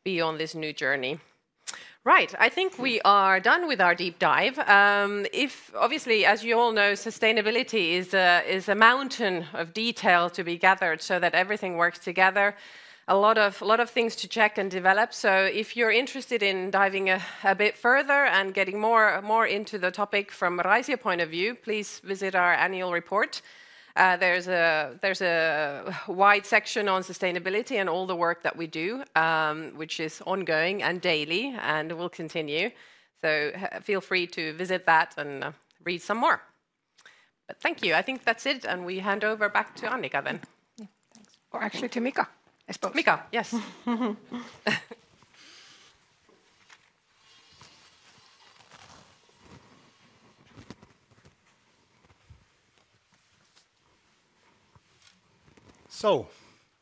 [SPEAKER 9] be on this new journey. Right, I think we are done with our deep dive. Obviously, as you all know, sustainability is a mountain of detail to be gathered so that everything works together. A lot of things to check and develop. If you're interested in diving a bit further and getting more into the topic from Raisio point of view, please visit our annual report. There's a wide section on sustainability and all the work that we do, which is ongoing and daily and will continue. Feel free to visit that and read some more. Thank you. I think that's it. We hand over back to Annika then.
[SPEAKER 1] Or actually to Mika.
[SPEAKER 9] Mika, yes.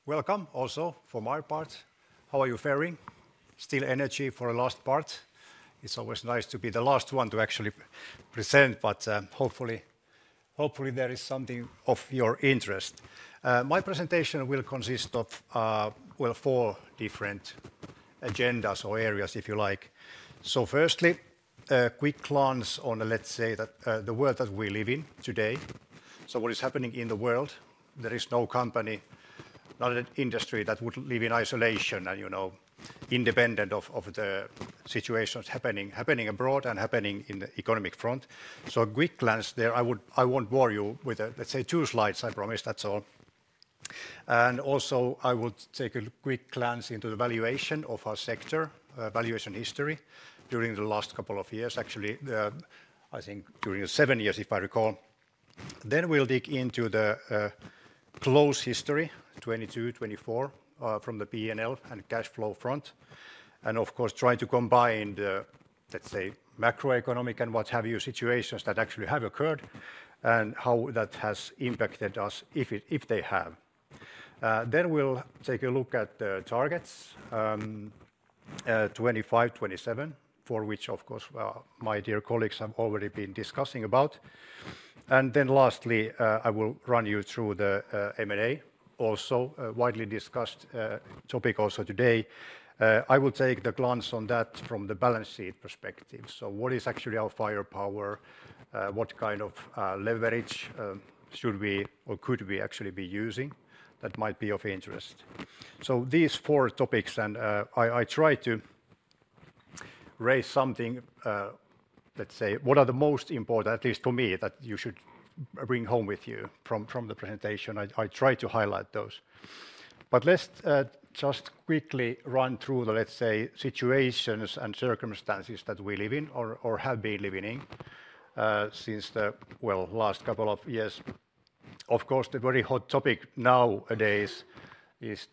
[SPEAKER 3] Welcome also from my part. How are you faring? Still energy for the last part. It's always nice to be the last one to actually present, but hopefully there is something of your interest. My presentation will consist of four different agendas or areas if you like. Firstly, a quick glance on, let's say, the world that we live in today. What is happening in the world? There is no company, not an industry that would live in isolation and independent of the situations happening abroad and happening in the economic front. A quick glance there. I won't bore you with, let's say, two slides, I promise. That's all. Also, I would take a quick glance into the valuation of our sector, valuation history during the last couple of years, actually, I think during the seven years, if I recall. Then we'll dig into the close history, 2022-2024, from the P&L and cash flow front. Of course, try to combine the, let's say, macroeconomic and what have you situations that actually have occurred and how that has impacted us, if they have. We will take a look at the targets, 2025, 2027, for which, of course, my dear colleagues have already been discussing about. Lastly, I will run you through the M&A, also a widely discussed topic also today. I will take the glance on that from the balance sheet perspective. What is actually our firepower? What kind of leverage should we or could we actually be using? That might be of interest. These four topics, and I try to raise something, let's say, what are the most important, at least for me, that you should bring home with you from the presentation. I try to highlight those. Let's just quickly run through the, let's say, situations and circumstances that we live in or have been living in since the last couple of years. Of course, the very hot topic nowadays is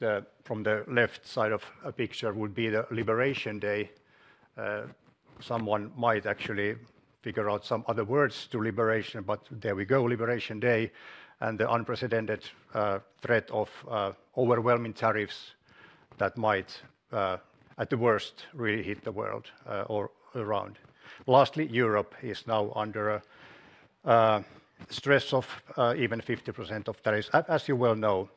[SPEAKER 3] from the left side of a picture would be the Liberation Day. Someone might actually figure out some other words to liberation, but there we go, Liberation Day and the unprecedented threat of overwhelming tariffs that might, at the worst, really hit the world or around. Lastly, Europe is now under stress of even 50% of tariffs, as you well know.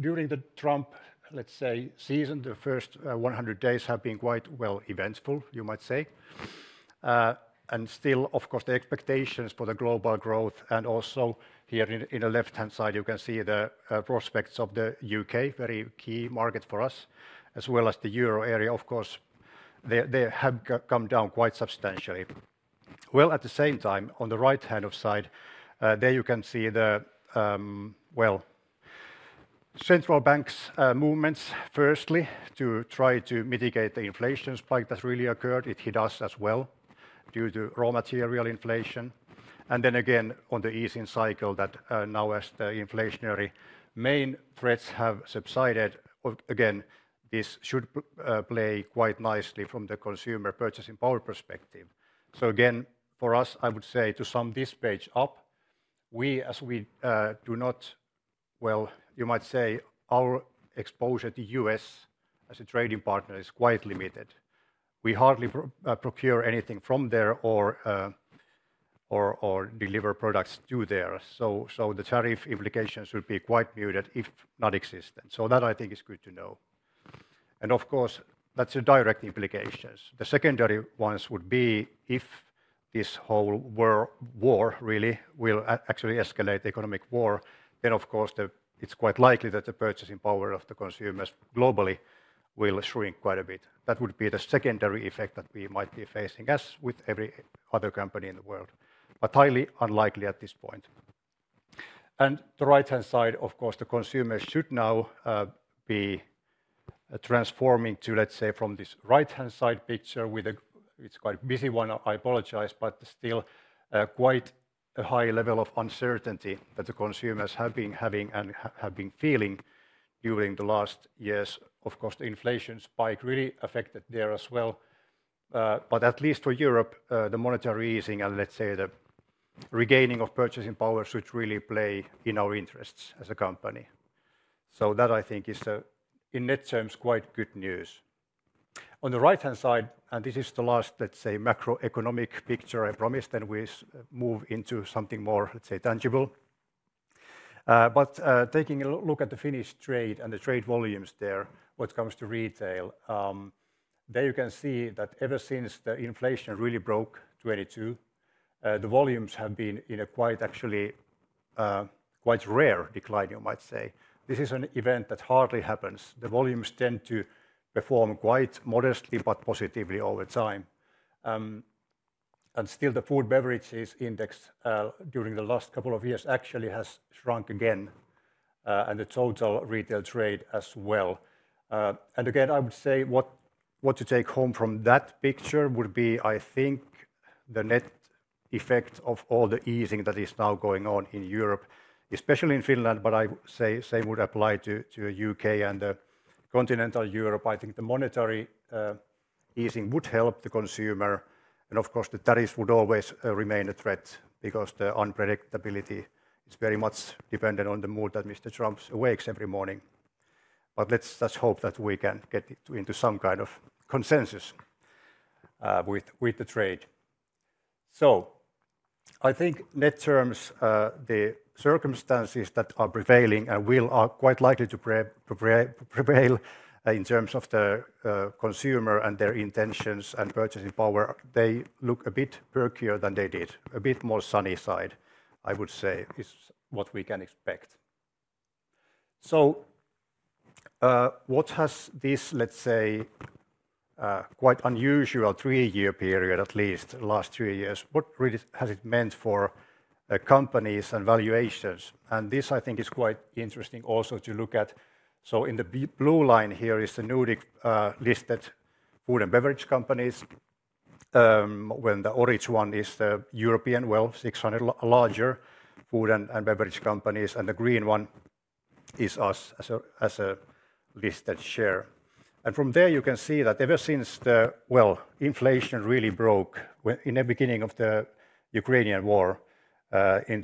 [SPEAKER 3] During the Trump, let's say, season, the first 100 days have been quite well eventful, you might say. Still, of course, the expectations for the global growth. Also here on the left-hand side, you can see the prospects of the U.K., very key market for us, as well as the euro area. Of course, they have come down quite substantially. At the same time, on the right-hand side, there you can see the central bank's movements, firstly to try to mitigate the inflation spike that really occurred. It hit us as well due to raw material inflation. Then again, on the easing cycle that now, as the inflationary main threats have subsided, this should play quite nicely from the consumer purchasing power perspective. Again, for us, I would say to sum this page up, as we do not, you might say our exposure to the U.S. as a trading partner is quite limited. We hardly procure anything from there or deliver products to there. The tariff implications would be quite muted, if not existent. I think that is good to know. Of course, that is a direct implication. The secondary ones would be if this whole war really will actually escalate the economic war, then it is quite likely that the purchasing power of the consumers globally will shrink quite a bit. That would be the secondary effect that we might be facing, as with every other company in the world, but highly unlikely at this point. The right-hand side, of course, the consumer should now be transforming to, let's say, from this right-hand side picture with a, it is quite a busy one, I apologize, but still quite a high level of uncertainty that the consumers have been having and have been feeling during the last years. Of course, the inflation spike really affected there as well. At least for Europe, the monetary easing and let's say the regaining of purchasing power should really play in our interests as a company. That I think is, in net terms, quite good news. On the right-hand side, and this is the last, let's say, macroeconomic picture I promised, we move into something more, let's say, tangible. Taking a look at the Finnish trade and the trade volumes there, what comes to retail, you can see that ever since the inflation really broke 2022, the volumes have been in a quite actually quite rare decline, you might say. This is an event that hardly happens. The volumes tend to perform quite modestly, but positively over time. Still, the food beverages index during the last couple of years actually has shrunk again, and the total retail trade as well. I would say what to take home from that picture would be, I think, the net effect of all the easing that is now going on in Europe, especially in Finland, but I would say would apply to the U.K. and continental Europe. I think the monetary easing would help the consumer. Of course, the tariffs would always remain a threat because the unpredictability is very much dependent on the mood that Mr. Trump wakes every morning. Let's just hope that we can get into some kind of consensus with the trade. I think net terms, the circumstances that are prevailing and will are quite likely to prevail in terms of the consumer and their intentions and purchasing power, they look a bit perkier than they did. A bit more sunny side, I would say, is what we can expect. What has this, let's say, quite unusual three-year period, at least the last three years, what really has it meant for companies and valuations? This I think is quite interesting also to look at. The blue line here is the Nordic listed food and beverage companies. The orange one is the European, well, 600 larger food and beverage companies, and the green one is us as a listed share. From there you can see that ever since the, well, inflation really broke in the beginning of the Ukrainian war in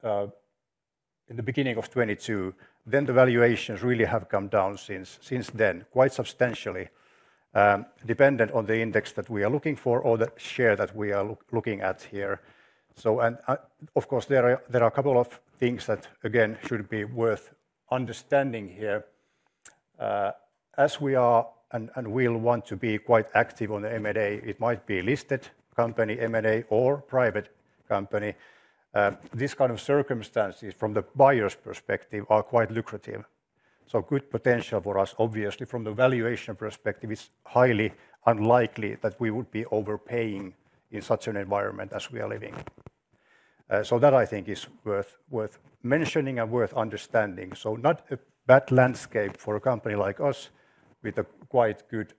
[SPEAKER 3] the beginning of 2022, the valuations really have come down since then, quite substantially, dependent on the index that we are looking for or the share that we are looking at here. Of course, there are a couple of things that again should be worth understanding here. As we are and will want to be quite active on the M&A, it might be a listed company, M&A, or private company. These kind of circumstances from the buyer's perspective are quite lucrative. Good potential for us, obviously, from the valuation perspective, it's highly unlikely that we would be overpaying in such an environment as we are living. That I think is worth mentioning and worth understanding. Not a bad landscape for a company like us with quite good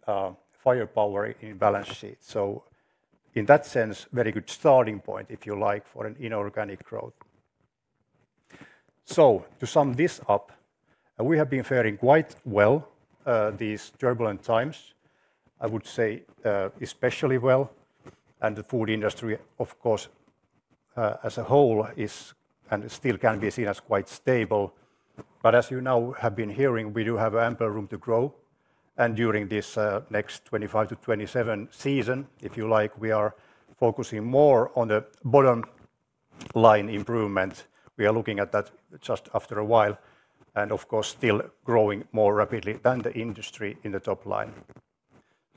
[SPEAKER 3] firepower in balance sheet. In that sense, very good starting point, if you like, for an inorganic growth. To sum this up, we have been faring quite well these turbulent times. I would say especially well. The food industry, of course, as a whole is and still can be seen as quite stable. As you now have been hearing, we do have ample room to grow. During this next 2025 to 2027 season, if you like, we are focusing more on the bottom line improvement. We are looking at that just after a while. Of course, still growing more rapidly than the industry in the top line.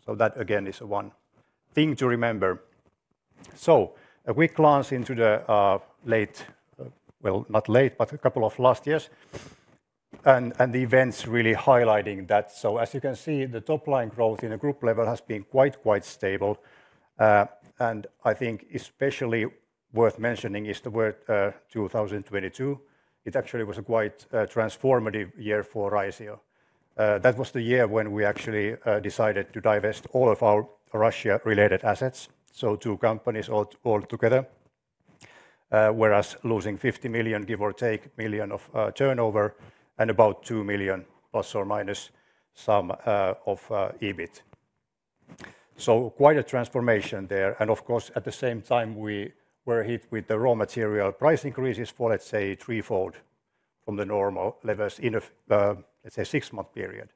[SPEAKER 3] That again is one thing to remember. A quick glance into the late, well, not late, but a couple of last years. The events really highlighting that. As you can see, the top line growth in a group level has been quite, quite stable. I think especially worth mentioning is the word 2022. It actually was a quite transformative year for Raisio. That was the year when we actually decided to divest all of our Russia-related assets, so two companies altogether, whereas losing 50 million, give or take million of turnover, and about 2 million plus or minus some of EBIT. Quite a transformation there. Of course, at the same time, we were hit with the raw material price increases for, let's say, threefold from the normal levels in a, let's say, six-month period.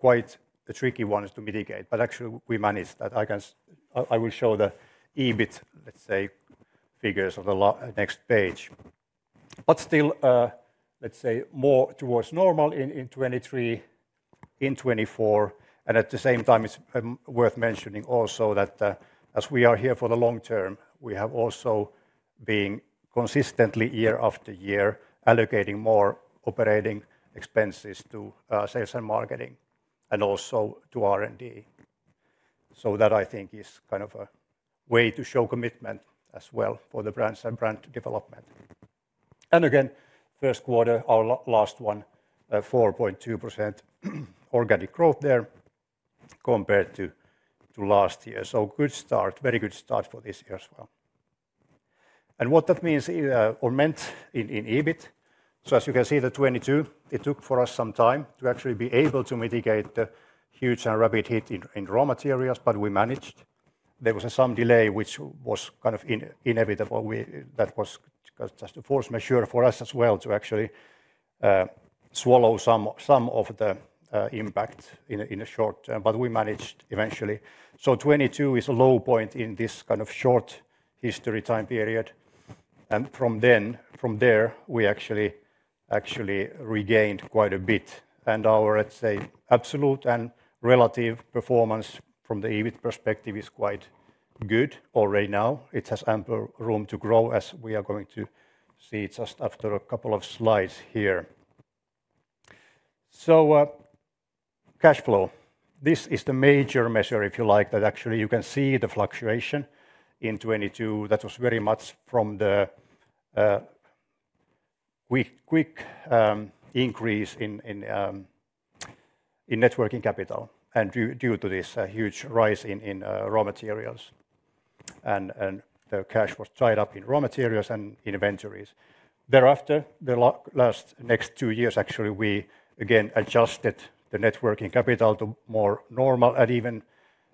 [SPEAKER 3] Quite a tricky one is to mitigate, but actually we managed that. I will show the EBIT, let's say, figures on the next page. Still, let's say, more towards normal in 2023, in 2024. At the same time, it's worth mentioning also that as we are here for the long term, we have also been consistently year after year allocating more operating expenses to sales and marketing and also to R&D. That I think is kind of a way to show commitment as well for the brands and brand development. Again, first quarter, our last one, 4.2% organic growth there compared to last year. Good start, very good start for this year as well. What that means or meant in EBIT, as you can see, the 2022, it took for us some time to actually be able to mitigate the huge and rapid hit in raw materials, but we managed. There was some delay, which was kind of inevitable. That was just a force majeure for us as well to actually swallow some of the impact in the short term, but we managed eventually. The 2022 is a low point in this kind of short history time period. From there, we actually regained quite a bit. Our, let's say, absolute and relative performance from the EBIT perspective is quite good already now. It has ample room to grow as we are going to see just after a couple of slides here. Cash flow, this is the major measure, if you like, that actually you can see the fluctuation in 2022. That was very much from the quick increase in networking capital and due to this huge rise in raw materials. The cash was tied up in raw materials and inventories. Thereafter, the last next two years, actually, we again adjusted the networking capital to more normal and even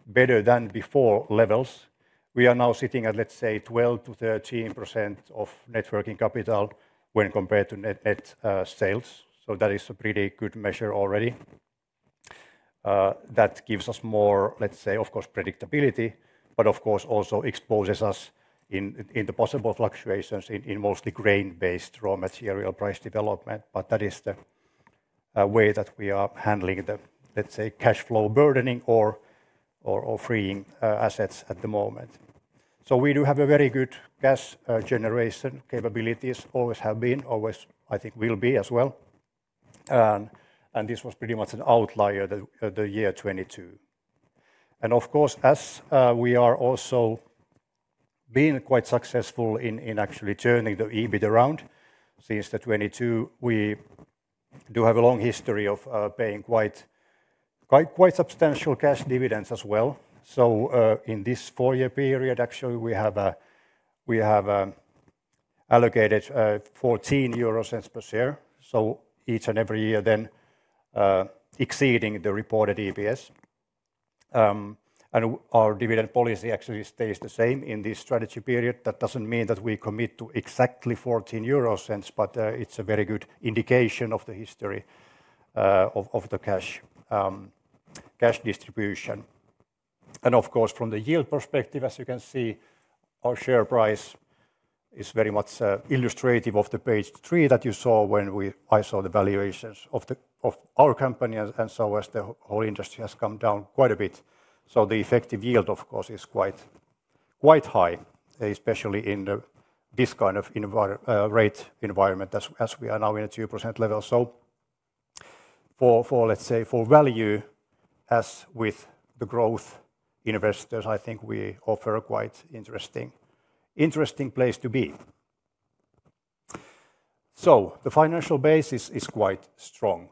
[SPEAKER 3] better than before levels. We are now sitting at, let's say, 12%-13% of networking capital when compared to net sales. That is a pretty good measure already. That gives us more, let's say, of course, predictability, but of course also exposes us in the possible fluctuations in mostly grain-based raw material price development. That is the way that we are handling the, let's say, cash flow burdening or freeing assets at the moment. We do have very good cash generation capabilities, always have been, always I think will be as well. This was pretty much an outlier the year 2022. Of course, as we are also being quite successful in actually turning the EBIT around since 2022, we do have a long history of paying quite substantial cash dividends as well. In this four-year period, actually, we have allocated 0.14 per share. Each and every year then exceeding the reported EPS. Our dividend policy actually stays the same in this strategy period. That does not mean that we commit to exactly 0.14, but it is a very good indication of the history of the cash distribution. Of course, from the yield perspective, as you can see, our share price is very much illustrative of page three that you saw when I showed the valuations of our company. As the whole industry has come down quite a bit, the effective yield, of course, is quite high, especially in this kind of rate environment as we are now in a 2% level. For value, as with the growth investors, I think we offer a quite interesting place to be. The financial basis is quite strong.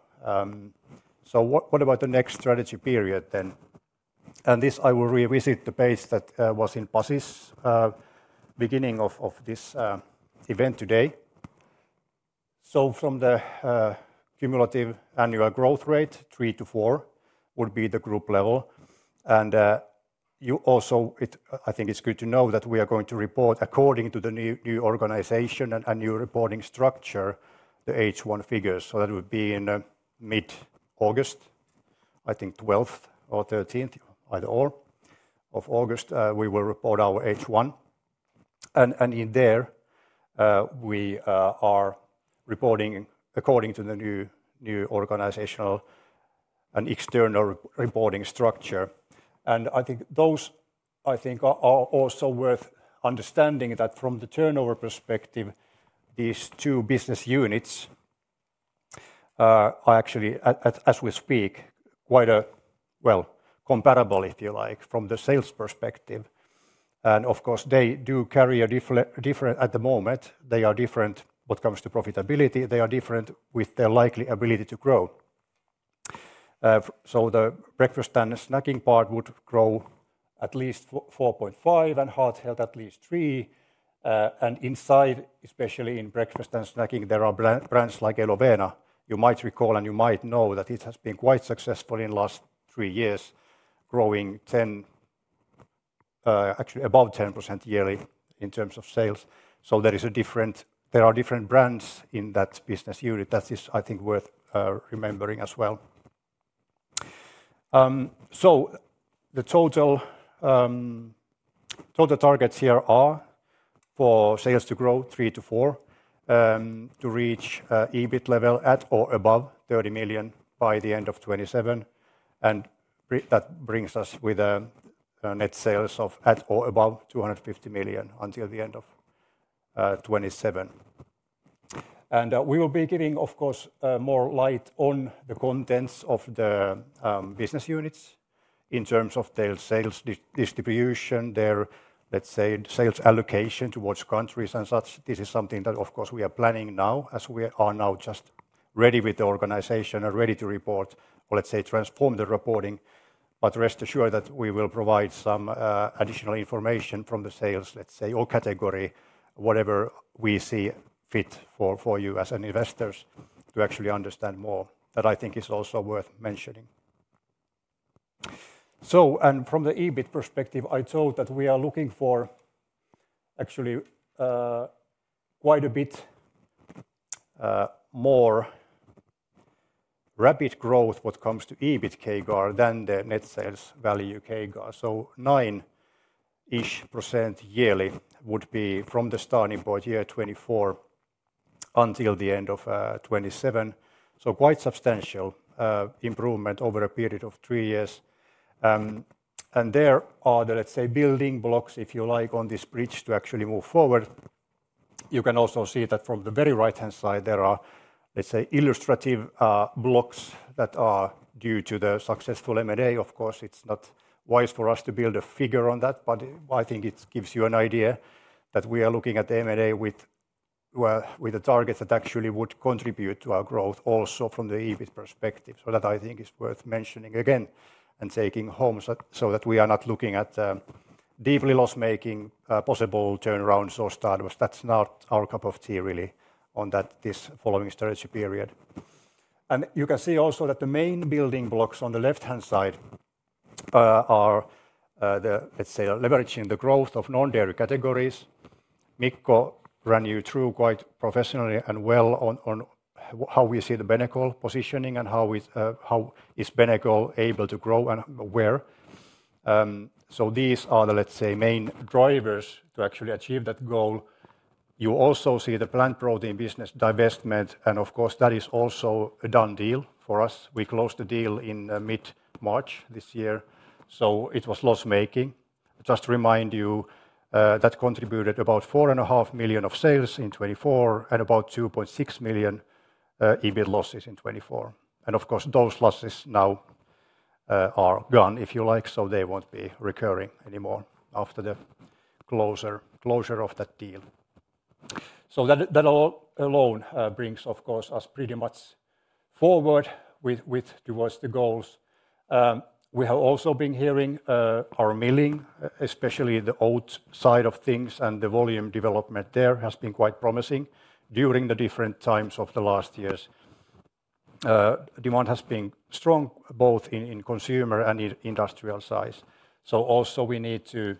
[SPEAKER 3] What about the next strategy period then? I will revisit the page that was in Pasi's beginning of this event today. From the cumulative annual growth rate, three to four would be the group level. I think it is good to know that we are going to report according to the new organization and new reporting structure, the H1 figures. That would be in mid-August, I think 12th or 13th, either all of August, we will report our H1. In there, we are reporting according to the new organizational and external reporting structure. I think those are also worth understanding that from the turnover perspective, these two business units, actually, as we speak, are quite, well, comparable if you like, from the sales perspective. Of course, they do carry a different, at the moment. They are different when it comes to profitability. They are different with their likely ability to grow. The breakfast and snacking part would grow at least 4.5% and heart health at least 3%. Inside, especially in breakfast and snacking, there are brands like Elovena. You might recall and you might know that it has been quite successful in the last three years, growing 10%, actually above 10% yearly in terms of sales. There are different brands in that business unit. That is, I think, worth remembering as well. The total targets here are for sales to grow 3%-4% to reach EBIT level at or above 30 million by the end of 2027. That brings us with a net sales of at or above 250 million until the end of 2027. We will be giving, of course, more light on the contents of the business units in terms of their sales distribution, their, let's say, sales allocation towards countries and such. This is something that, of course, we are planning now as we are now just ready with the organization and ready to report or, let's say, transform the reporting. Rest assured that we will provide some additional information from the sales, let's say, or category, whatever we see fit for you as investors to actually understand more. That I think is also worth mentioning. From the EBIT perspective, I told that we are looking for actually quite a bit more rapid growth what comes to EBIT KGAR than the net sales value KGAR. 9% yearly would be from the starting point year 2024 until the end of 2027. Quite substantial improvement over a period of three years. There are the, let's say, building blocks, if you like, on this bridge to actually move forward. You can also see that from the very right-hand side, there are, let's say, illustrative blocks that are due to the successful M&A. Of course, it's not wise for us to build a figure on that, but I think it gives you an idea that we are looking at the M&A with a target that actually would contribute to our growth also from the EBIT perspective. That I think is worth mentioning again and taking home so that we are not looking at deeply loss-making possible turnarounds or startups. That's not our cup of tea really on this following strategy period. You can see also that the main building blocks on the left-hand side are the, let's say, leveraging the growth of non-dairy categories. Mikko ran you through quite professionally and well on how we see the Benecol positioning and how is Benecol able to grow and where. These are the, let's say, main drivers to actually achieve that goal. You also see the plant protein business divestment. Of course, that is also a done deal for us. We closed the deal in mid-March this year. It was loss-making. Just to remind you, that contributed about 4.5 million of sales in 2024 and about 2.6 million EBIT losses in 2024. Of course, those losses now are gone, if you like, so they will not be recurring anymore after the closure of that deal. That alone brings, of course, us pretty much forward towards the goals. We have also been hearing our milling, especially the oat side of things, and the volume development there has been quite promising during the different times of the last years. Demand has been strong both in consumer and industrial size. Also, we need to,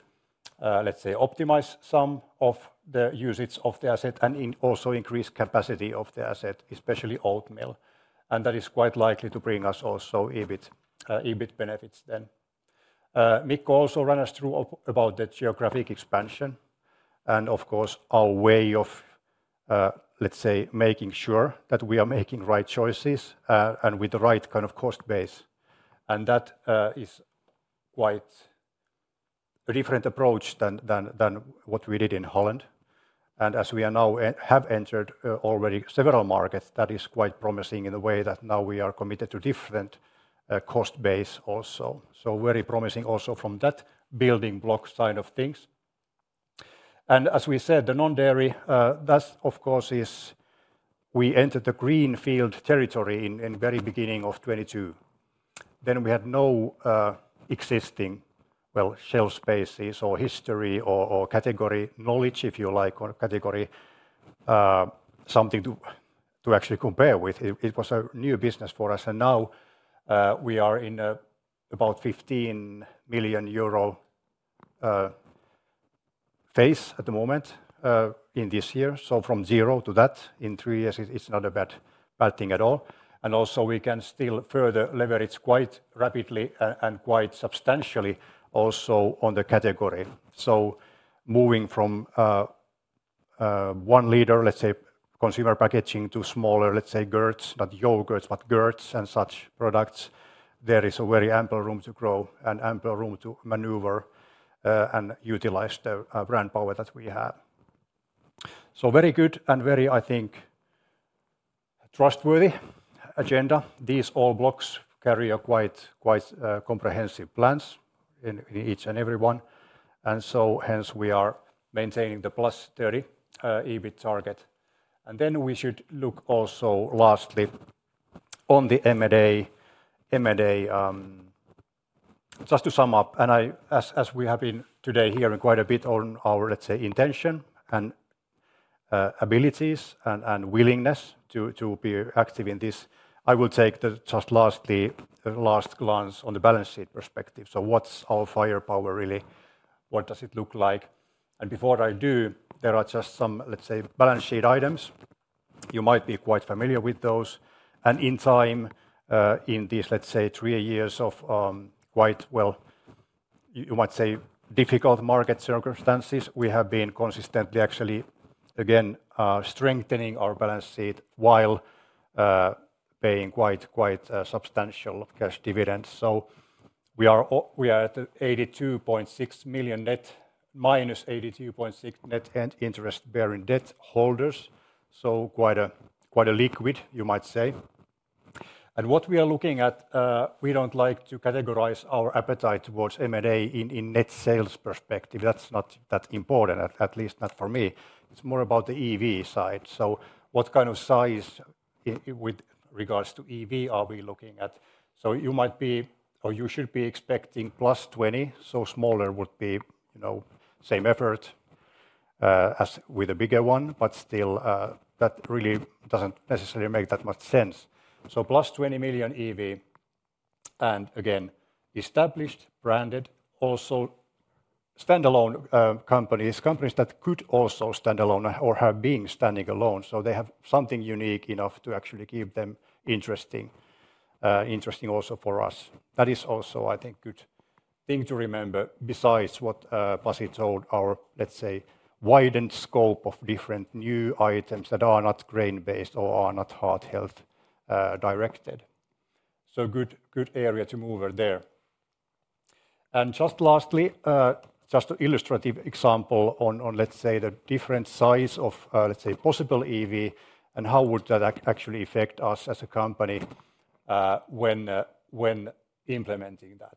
[SPEAKER 3] let's say, optimize some of the usage of the asset and also increase capacity of the asset, especially oat mill. That is quite likely to bring us also EBIT benefits then. Mikko also ran us through about the geographic expansion. Of course, our way of, let's say, making sure that we are making right choices and with the right kind of cost base. That is quite a different approach than what we did in Holland. As we have entered already several markets, that is quite promising in a way that now we are committed to different cost base also. Very promising also from that building block side of things. As we said, the non-dairy, that of course is we entered the green field territory in the very beginning of 2022. We had no existing, well, shelf spaces or history or category knowledge, if you like, or category something to actually compare with. It was a new business for us. Now we are in about 15 million euro phase at the moment in this year. From zero to that in three years, it's not a bad thing at all. Also we can still further leverage quite rapidly and quite substantially also on the category. Moving from one liter, let's say, consumer packaging to smaller, let's say, Gertz, not yogurts, but Gertz and such products, there is a very ample room to grow and ample room to maneuver and utilize the brand power that we have. Very good and very, I think, trustworthy agenda. These all blocks carry quite comprehensive plans in each and every one. Hence we are maintaining the plus 30 EBIT target. We should look also lastly on the M&A. Just to sum up, and as we have been today hearing quite a bit on our, let's say, intention and abilities and willingness to be active in this, I will take just lastly a last glance on the balance sheet perspective. What's our firepower really? What does it look like? Before I do, there are just some, let's say, balance sheet items. You might be quite familiar with those. In time, in these, let's say, three years of quite, well, you might say difficult market circumstances, we have been consistently actually, again, strengthening our balance sheet while paying quite substantial cash dividends. We are at 82.6 million net, minus 82.6 million net, and interest-bearing debt holders. Quite a liquid, you might say. What we are looking at, we do not like to categorize our appetite towards M&A in net sales perspective. That is not that important, at least not for me. It is more about the EV side. What kind of size with regards to EV are we looking at? You might be, or you should be expecting plus 20. Smaller would be same effort as with a bigger one, but still that really does not necessarily make that much sense. Plus 20 million EV. Again, established branded, also standalone companies, companies that could also stand alone or have been standing alone. They have something unique enough to actually keep them interesting, interesting also for us. That is also, I think, a good thing to remember besides what Pasi told, our, let's say, widened scope of different new items that are not grain-based or are not heart health directed. Good area to move there. Lastly, just an illustrative example on, let's say, the different size of, let's say, possible EV and how would that actually affect us as a company when implementing that.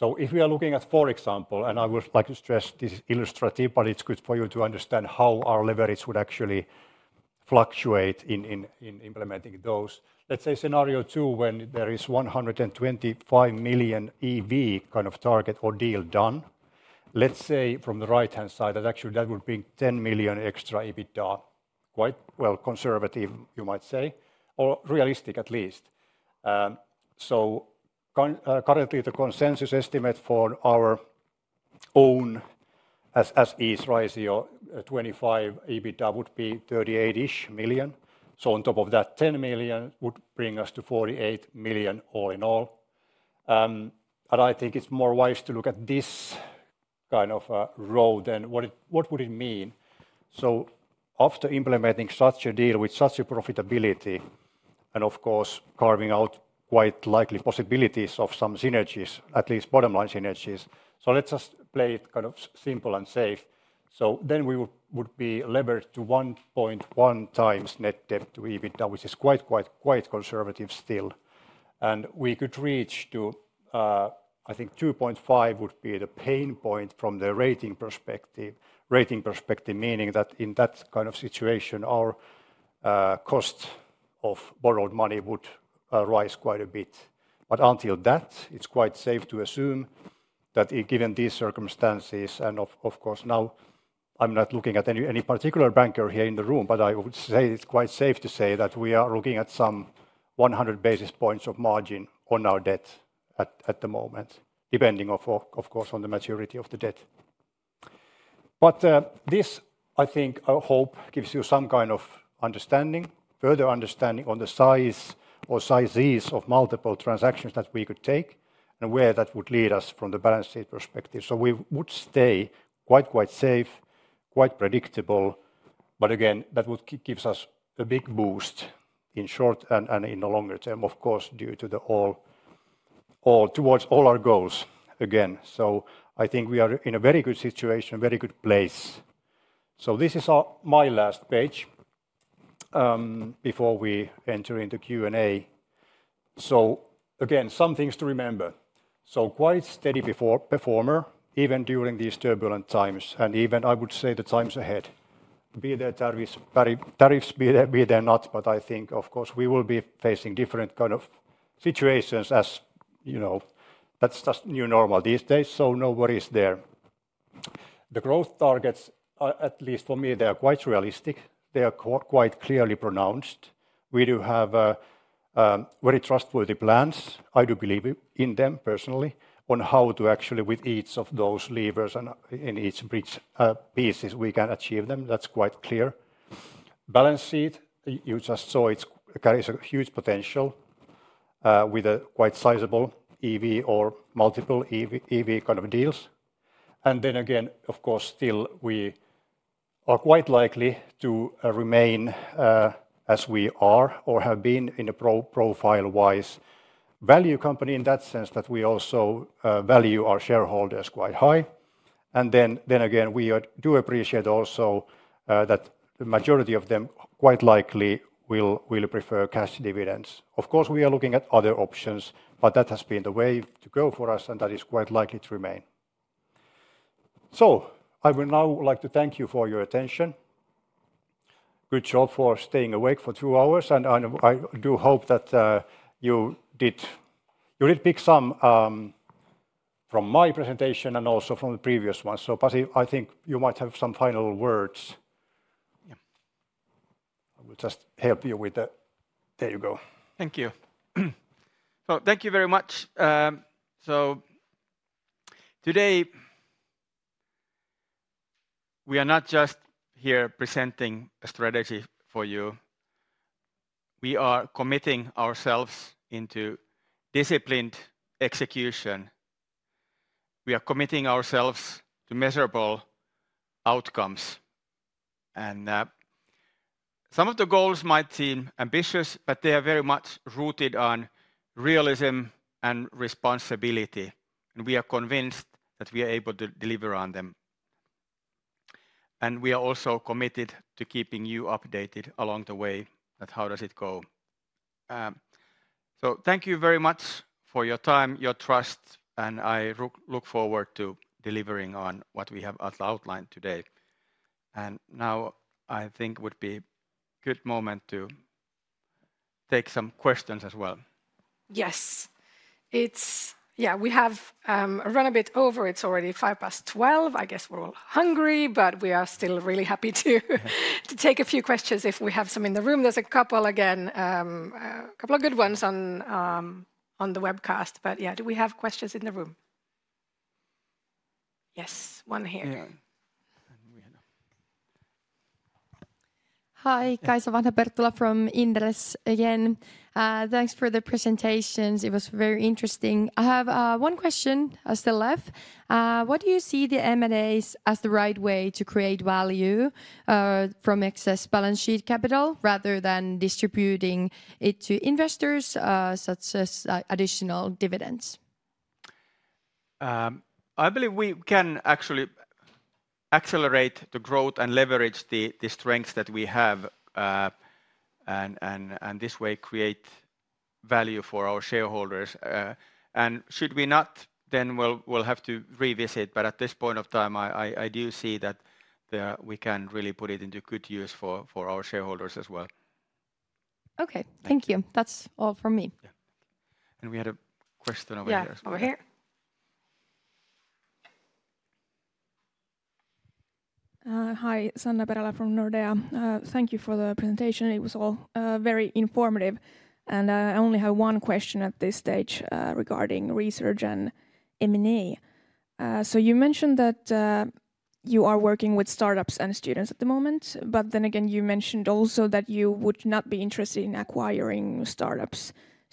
[SPEAKER 3] If we are looking at, for example, and I would like to stress this is illustrative, but it is good for you to understand how our leverage would actually fluctuate in implementing those. Let's say scenario two when there is 125 million EV kind of target or deal done. Let's say from the right-hand side that actually that would be 10 million extra EBITDA. Quite well conservative, you might say, or realistic at least. Currently the consensus estimate for our own as is Raisio 2025 EBITDA would be 38-ish million. On top of that, 10 million would bring us to 48 million all in all. I think it's more wise to look at this kind of road than what would it mean. After implementing such a deal with such a profitability and of course carving out quite likely possibilities of some synergies, at least bottom line synergies. Let's just play it kind of simple and safe. Then we would be leveraged to 1.1 times net debt to EBITDA, which is quite, quite, quite conservative still. We could reach to, I think 2.5 billion would be the pain point from the rating perspective. Rating perspective meaning that in that kind of situation, our cost of borrowed money would rise quite a bit. Until that, it is quite safe to assume that given these circumstances and of course now I am not looking at any particular banker here in the room, I would say it is quite safe to say that we are looking at some 100 basis points of margin on our debt at the moment, depending of course on the maturity of the debt. I think, I hope this gives you some kind of understanding, further understanding on the size or sizes of multiple transactions that we could take and where that would lead us from the balance sheet perspective. We would stay quite, quite safe, quite predictable. Again, that would give us a big boost in short and in the longer term, of course, due to all towards all our goals again. I think we are in a very good situation, very good place. This is my last page before we enter into Q&A. Again, some things to remember. Quite steady performer even during these turbulent times and even I would say the times ahead. Be there tariffs, be there not, but I think of course we will be facing different kind of situations as you know that's just new normal these days, so no worries there. The growth targets, at least for me, they are quite realistic. They are quite clearly pronounced. We do have very trustworthy plans. I do believe in them personally on how to actually with each of those levers and in each pieces we can achieve them. That is quite clear. Balance sheet, you just saw it carries a huge potential with a quite sizable EV or multiple EV kind of deals. Again, of course, still we are quite likely to remain as we are or have been in a profile-wise value company in that sense that we also value our shareholders quite high. Again, we do appreciate also that the majority of them quite likely will prefer cash dividends. Of course, we are looking at other options, but that has been the way to go for us and that is quite likely to remain. I would now like to thank you for your attention. Good job for staying awake for two hours. I do hope that you did pick some from my presentation and also from the previous ones. Pasi, I think you might have some final words. I will just help you with the, there you go.
[SPEAKER 2] Thank you. Thank you very much. Today we are not just here presenting a strategy for you. We are committing ourselves into disciplined execution. We are committing ourselves to measurable outcomes. Some of the goals might seem ambitious, but they are very much rooted on realism and responsibility. We are convinced that we are able to deliver on them. We are also committed to keeping you updated along the way. That is how does it go. Thank you very much for your time, your trust, and I look forward to delivering on what we have outlined today. I think it would be a good moment to take some questions as well.
[SPEAKER 1] Yes. Yeah, we have run a bit over. It is already five past twelve. I guess we are all hungry, but we are still really happy to take a few questions if we have some in the room. There is a couple again, a couple of good ones on the webcast. Do we have questions in the room? Yes, one here.
[SPEAKER 6] Hi, Kaisa Vanha-Perttula from Inderes again. Thanks for the presentations. It was very interesting. I have one question still left. What do you see the M&As as the right way to create value from excess balance sheet capital rather than distributing it to investors such as additional dividends? I believe we can actually accelerate the growth and leverage the strengths that we have and this way create value for our shareholders. Should we not, then we'll have to revisit. At this point of time, I do see that we can really put it into good use for our shareholders as well. Okay, thank you. That's all from me.
[SPEAKER 2] We had a question over here. Yeah, over here.
[SPEAKER 5] Hi, Sanna Perälä from Nordea. Thank you for the presentation. It was all very informative. I only have one question at this stage regarding research and M&A. You mentioned that you are working with startups and students at the moment, but then again, you mentioned also that you would not be interested in acquiring startups.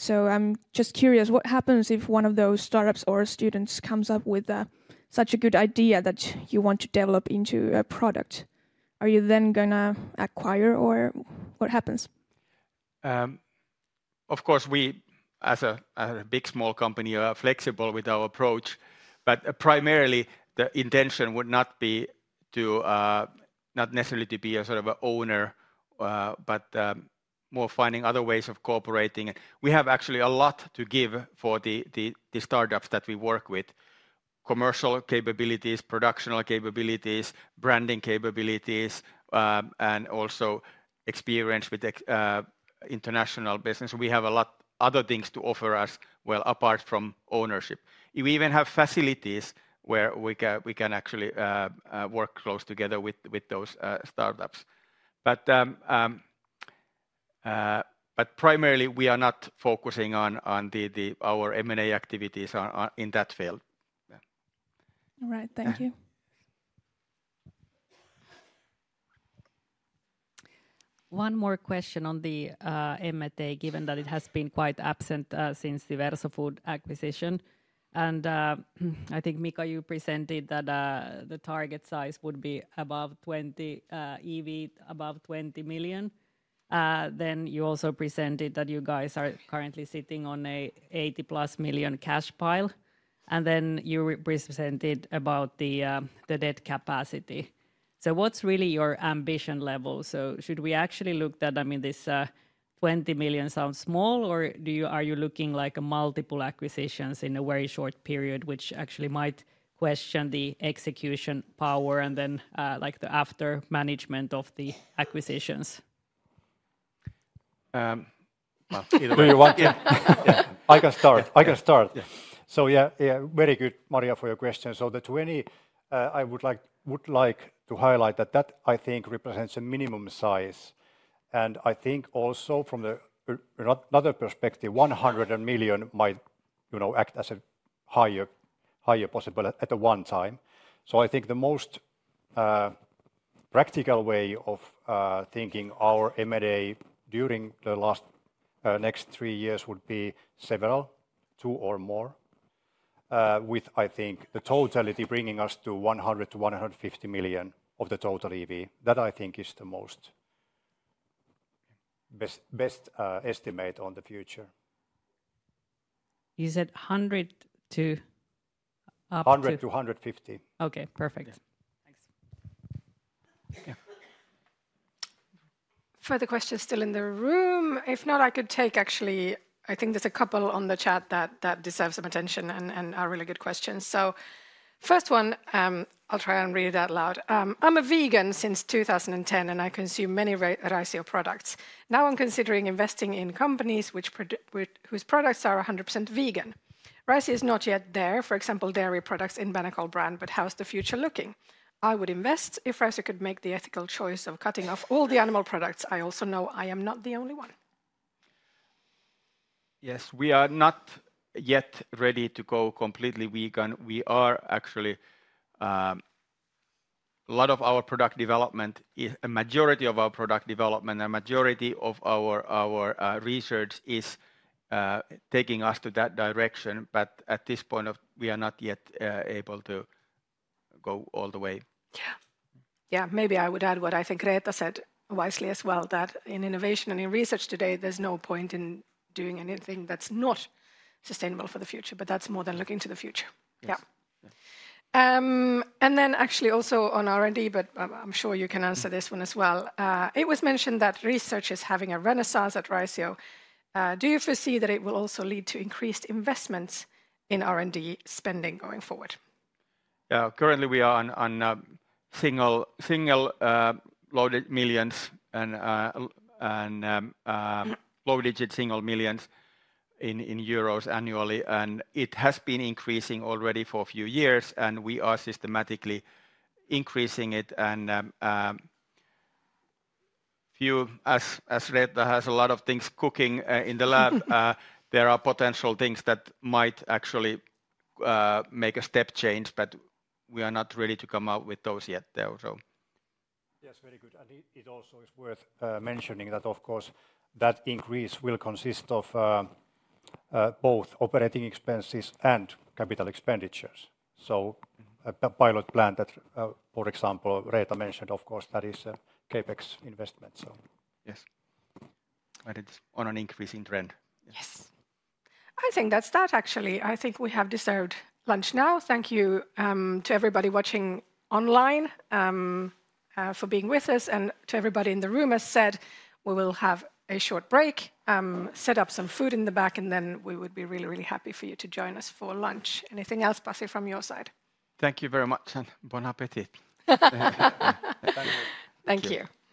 [SPEAKER 5] I'm just curious, what happens if one of those startups or students comes up with such a good idea that you want to develop into a product? Are you then going to acquire or what happens?
[SPEAKER 2] Of course, we as a big small company are flexible with our approach, but primarily the intention would not be to not necessarily to be a sort of an owner, but more finding other ways of cooperating. We have actually a lot to give for the startups that we work with: commercial capabilities, production capabilities, branding capabilities, and also experience with international business. We have a lot of other things to offer as well apart from ownership. We even have facilities where we can actually work close together with those startups. Primarily we are not focusing on our M&A activities in that field.
[SPEAKER 5] All right, thank you.
[SPEAKER 4] One more question on the M&A, given that it has been quite absent since the Versofood acquisition. I think Mikko, you presented that the target size would be above 20 million, above 20 million. You also presented that you guys are currently sitting on an 80 million-plus cash pile. You presented about the debt capacity. What's really your ambition level? Should we actually look at that, I mean, this 20 million sounds small, or are you looking at multiple acquisitions in a very short period, which might actually question the execution power and the after management of the acquisitions?
[SPEAKER 2] You're walking. I can start. I can start. Yeah, very good, Maria, for your question. The 20 million, I would like to highlight that I think represents a minimum size. I think also from another perspective, 100 million might act as a higher possibility at one time. I think the most practical way of thinking our M&A during the last next three years would be several, two or more, with I think the totality bringing us to 100 million-150 million of the total EV. That I think is the most best estimate on the future.
[SPEAKER 4] Is it 100 million to.
[SPEAKER 2] 150 million? Okay, perfect. Thanks.
[SPEAKER 1] Further questions still in the room? If not, I could take actually, I think there's a couple on the chat that deserve some attention and are really good questions. First one, I'll try and read it out loud. I'm a vegan since 2010 and I consume many Raisio products. Now I'm considering investing in companies whose products are 100% vegan. Raisio is not yet there, for example, dairy products in Benecol brand, but how's the future looking? I would invest if Raisio could make the ethical choice of cutting off all the animal products. I also know I am not the only one.
[SPEAKER 2] Yes, we are not yet ready to go completely vegan. We are actually, a lot of our product development, a majority of our product development, a majority of our research is taking us to that direction. At this point, we are not yet able to go all the way.
[SPEAKER 1] Yeah, maybe I would add what I think Reetta said wisely as well, that in innovation and in research today, there is no point in doing anything that is not sustainable for the future, but that is more than looking to the future. Yeah. Actually also on R&D, but I am sure you can answer this one as well. It was mentioned that research is having a renaissance at Raisio. Do you foresee that it will also lead to increased investments in R&D spending going forward?
[SPEAKER 2] Yeah, currently we are on single low-digit millions and low-digit single millions in EUR annually. It has been increasing already for a few years, and we are systematically increasing it. As Reetta has a lot of things cooking in the lab, there are potential things that might actually make a step change, but we are not ready to come out with those yet. Yes, very good. It also is worth mentioning that, of course, that increase will consist of both operating expenses and capital expenditures. A pilot plant that, for example, Reetta mentioned, of course, that is a CapEx investment. Yes. On an increasing trend.
[SPEAKER 1] Yes. I think that is that actually. I think we have deserved lunch now. Thank you to everybody watching online for being with us. To everybody in the room, as said, we will have a short break, set up some food in the back, and then we would be really, really happy for you to join us for lunch. Anything else, Pasi, from your side?
[SPEAKER 2] Thank you very much and bon appétit.
[SPEAKER 1] Thank you.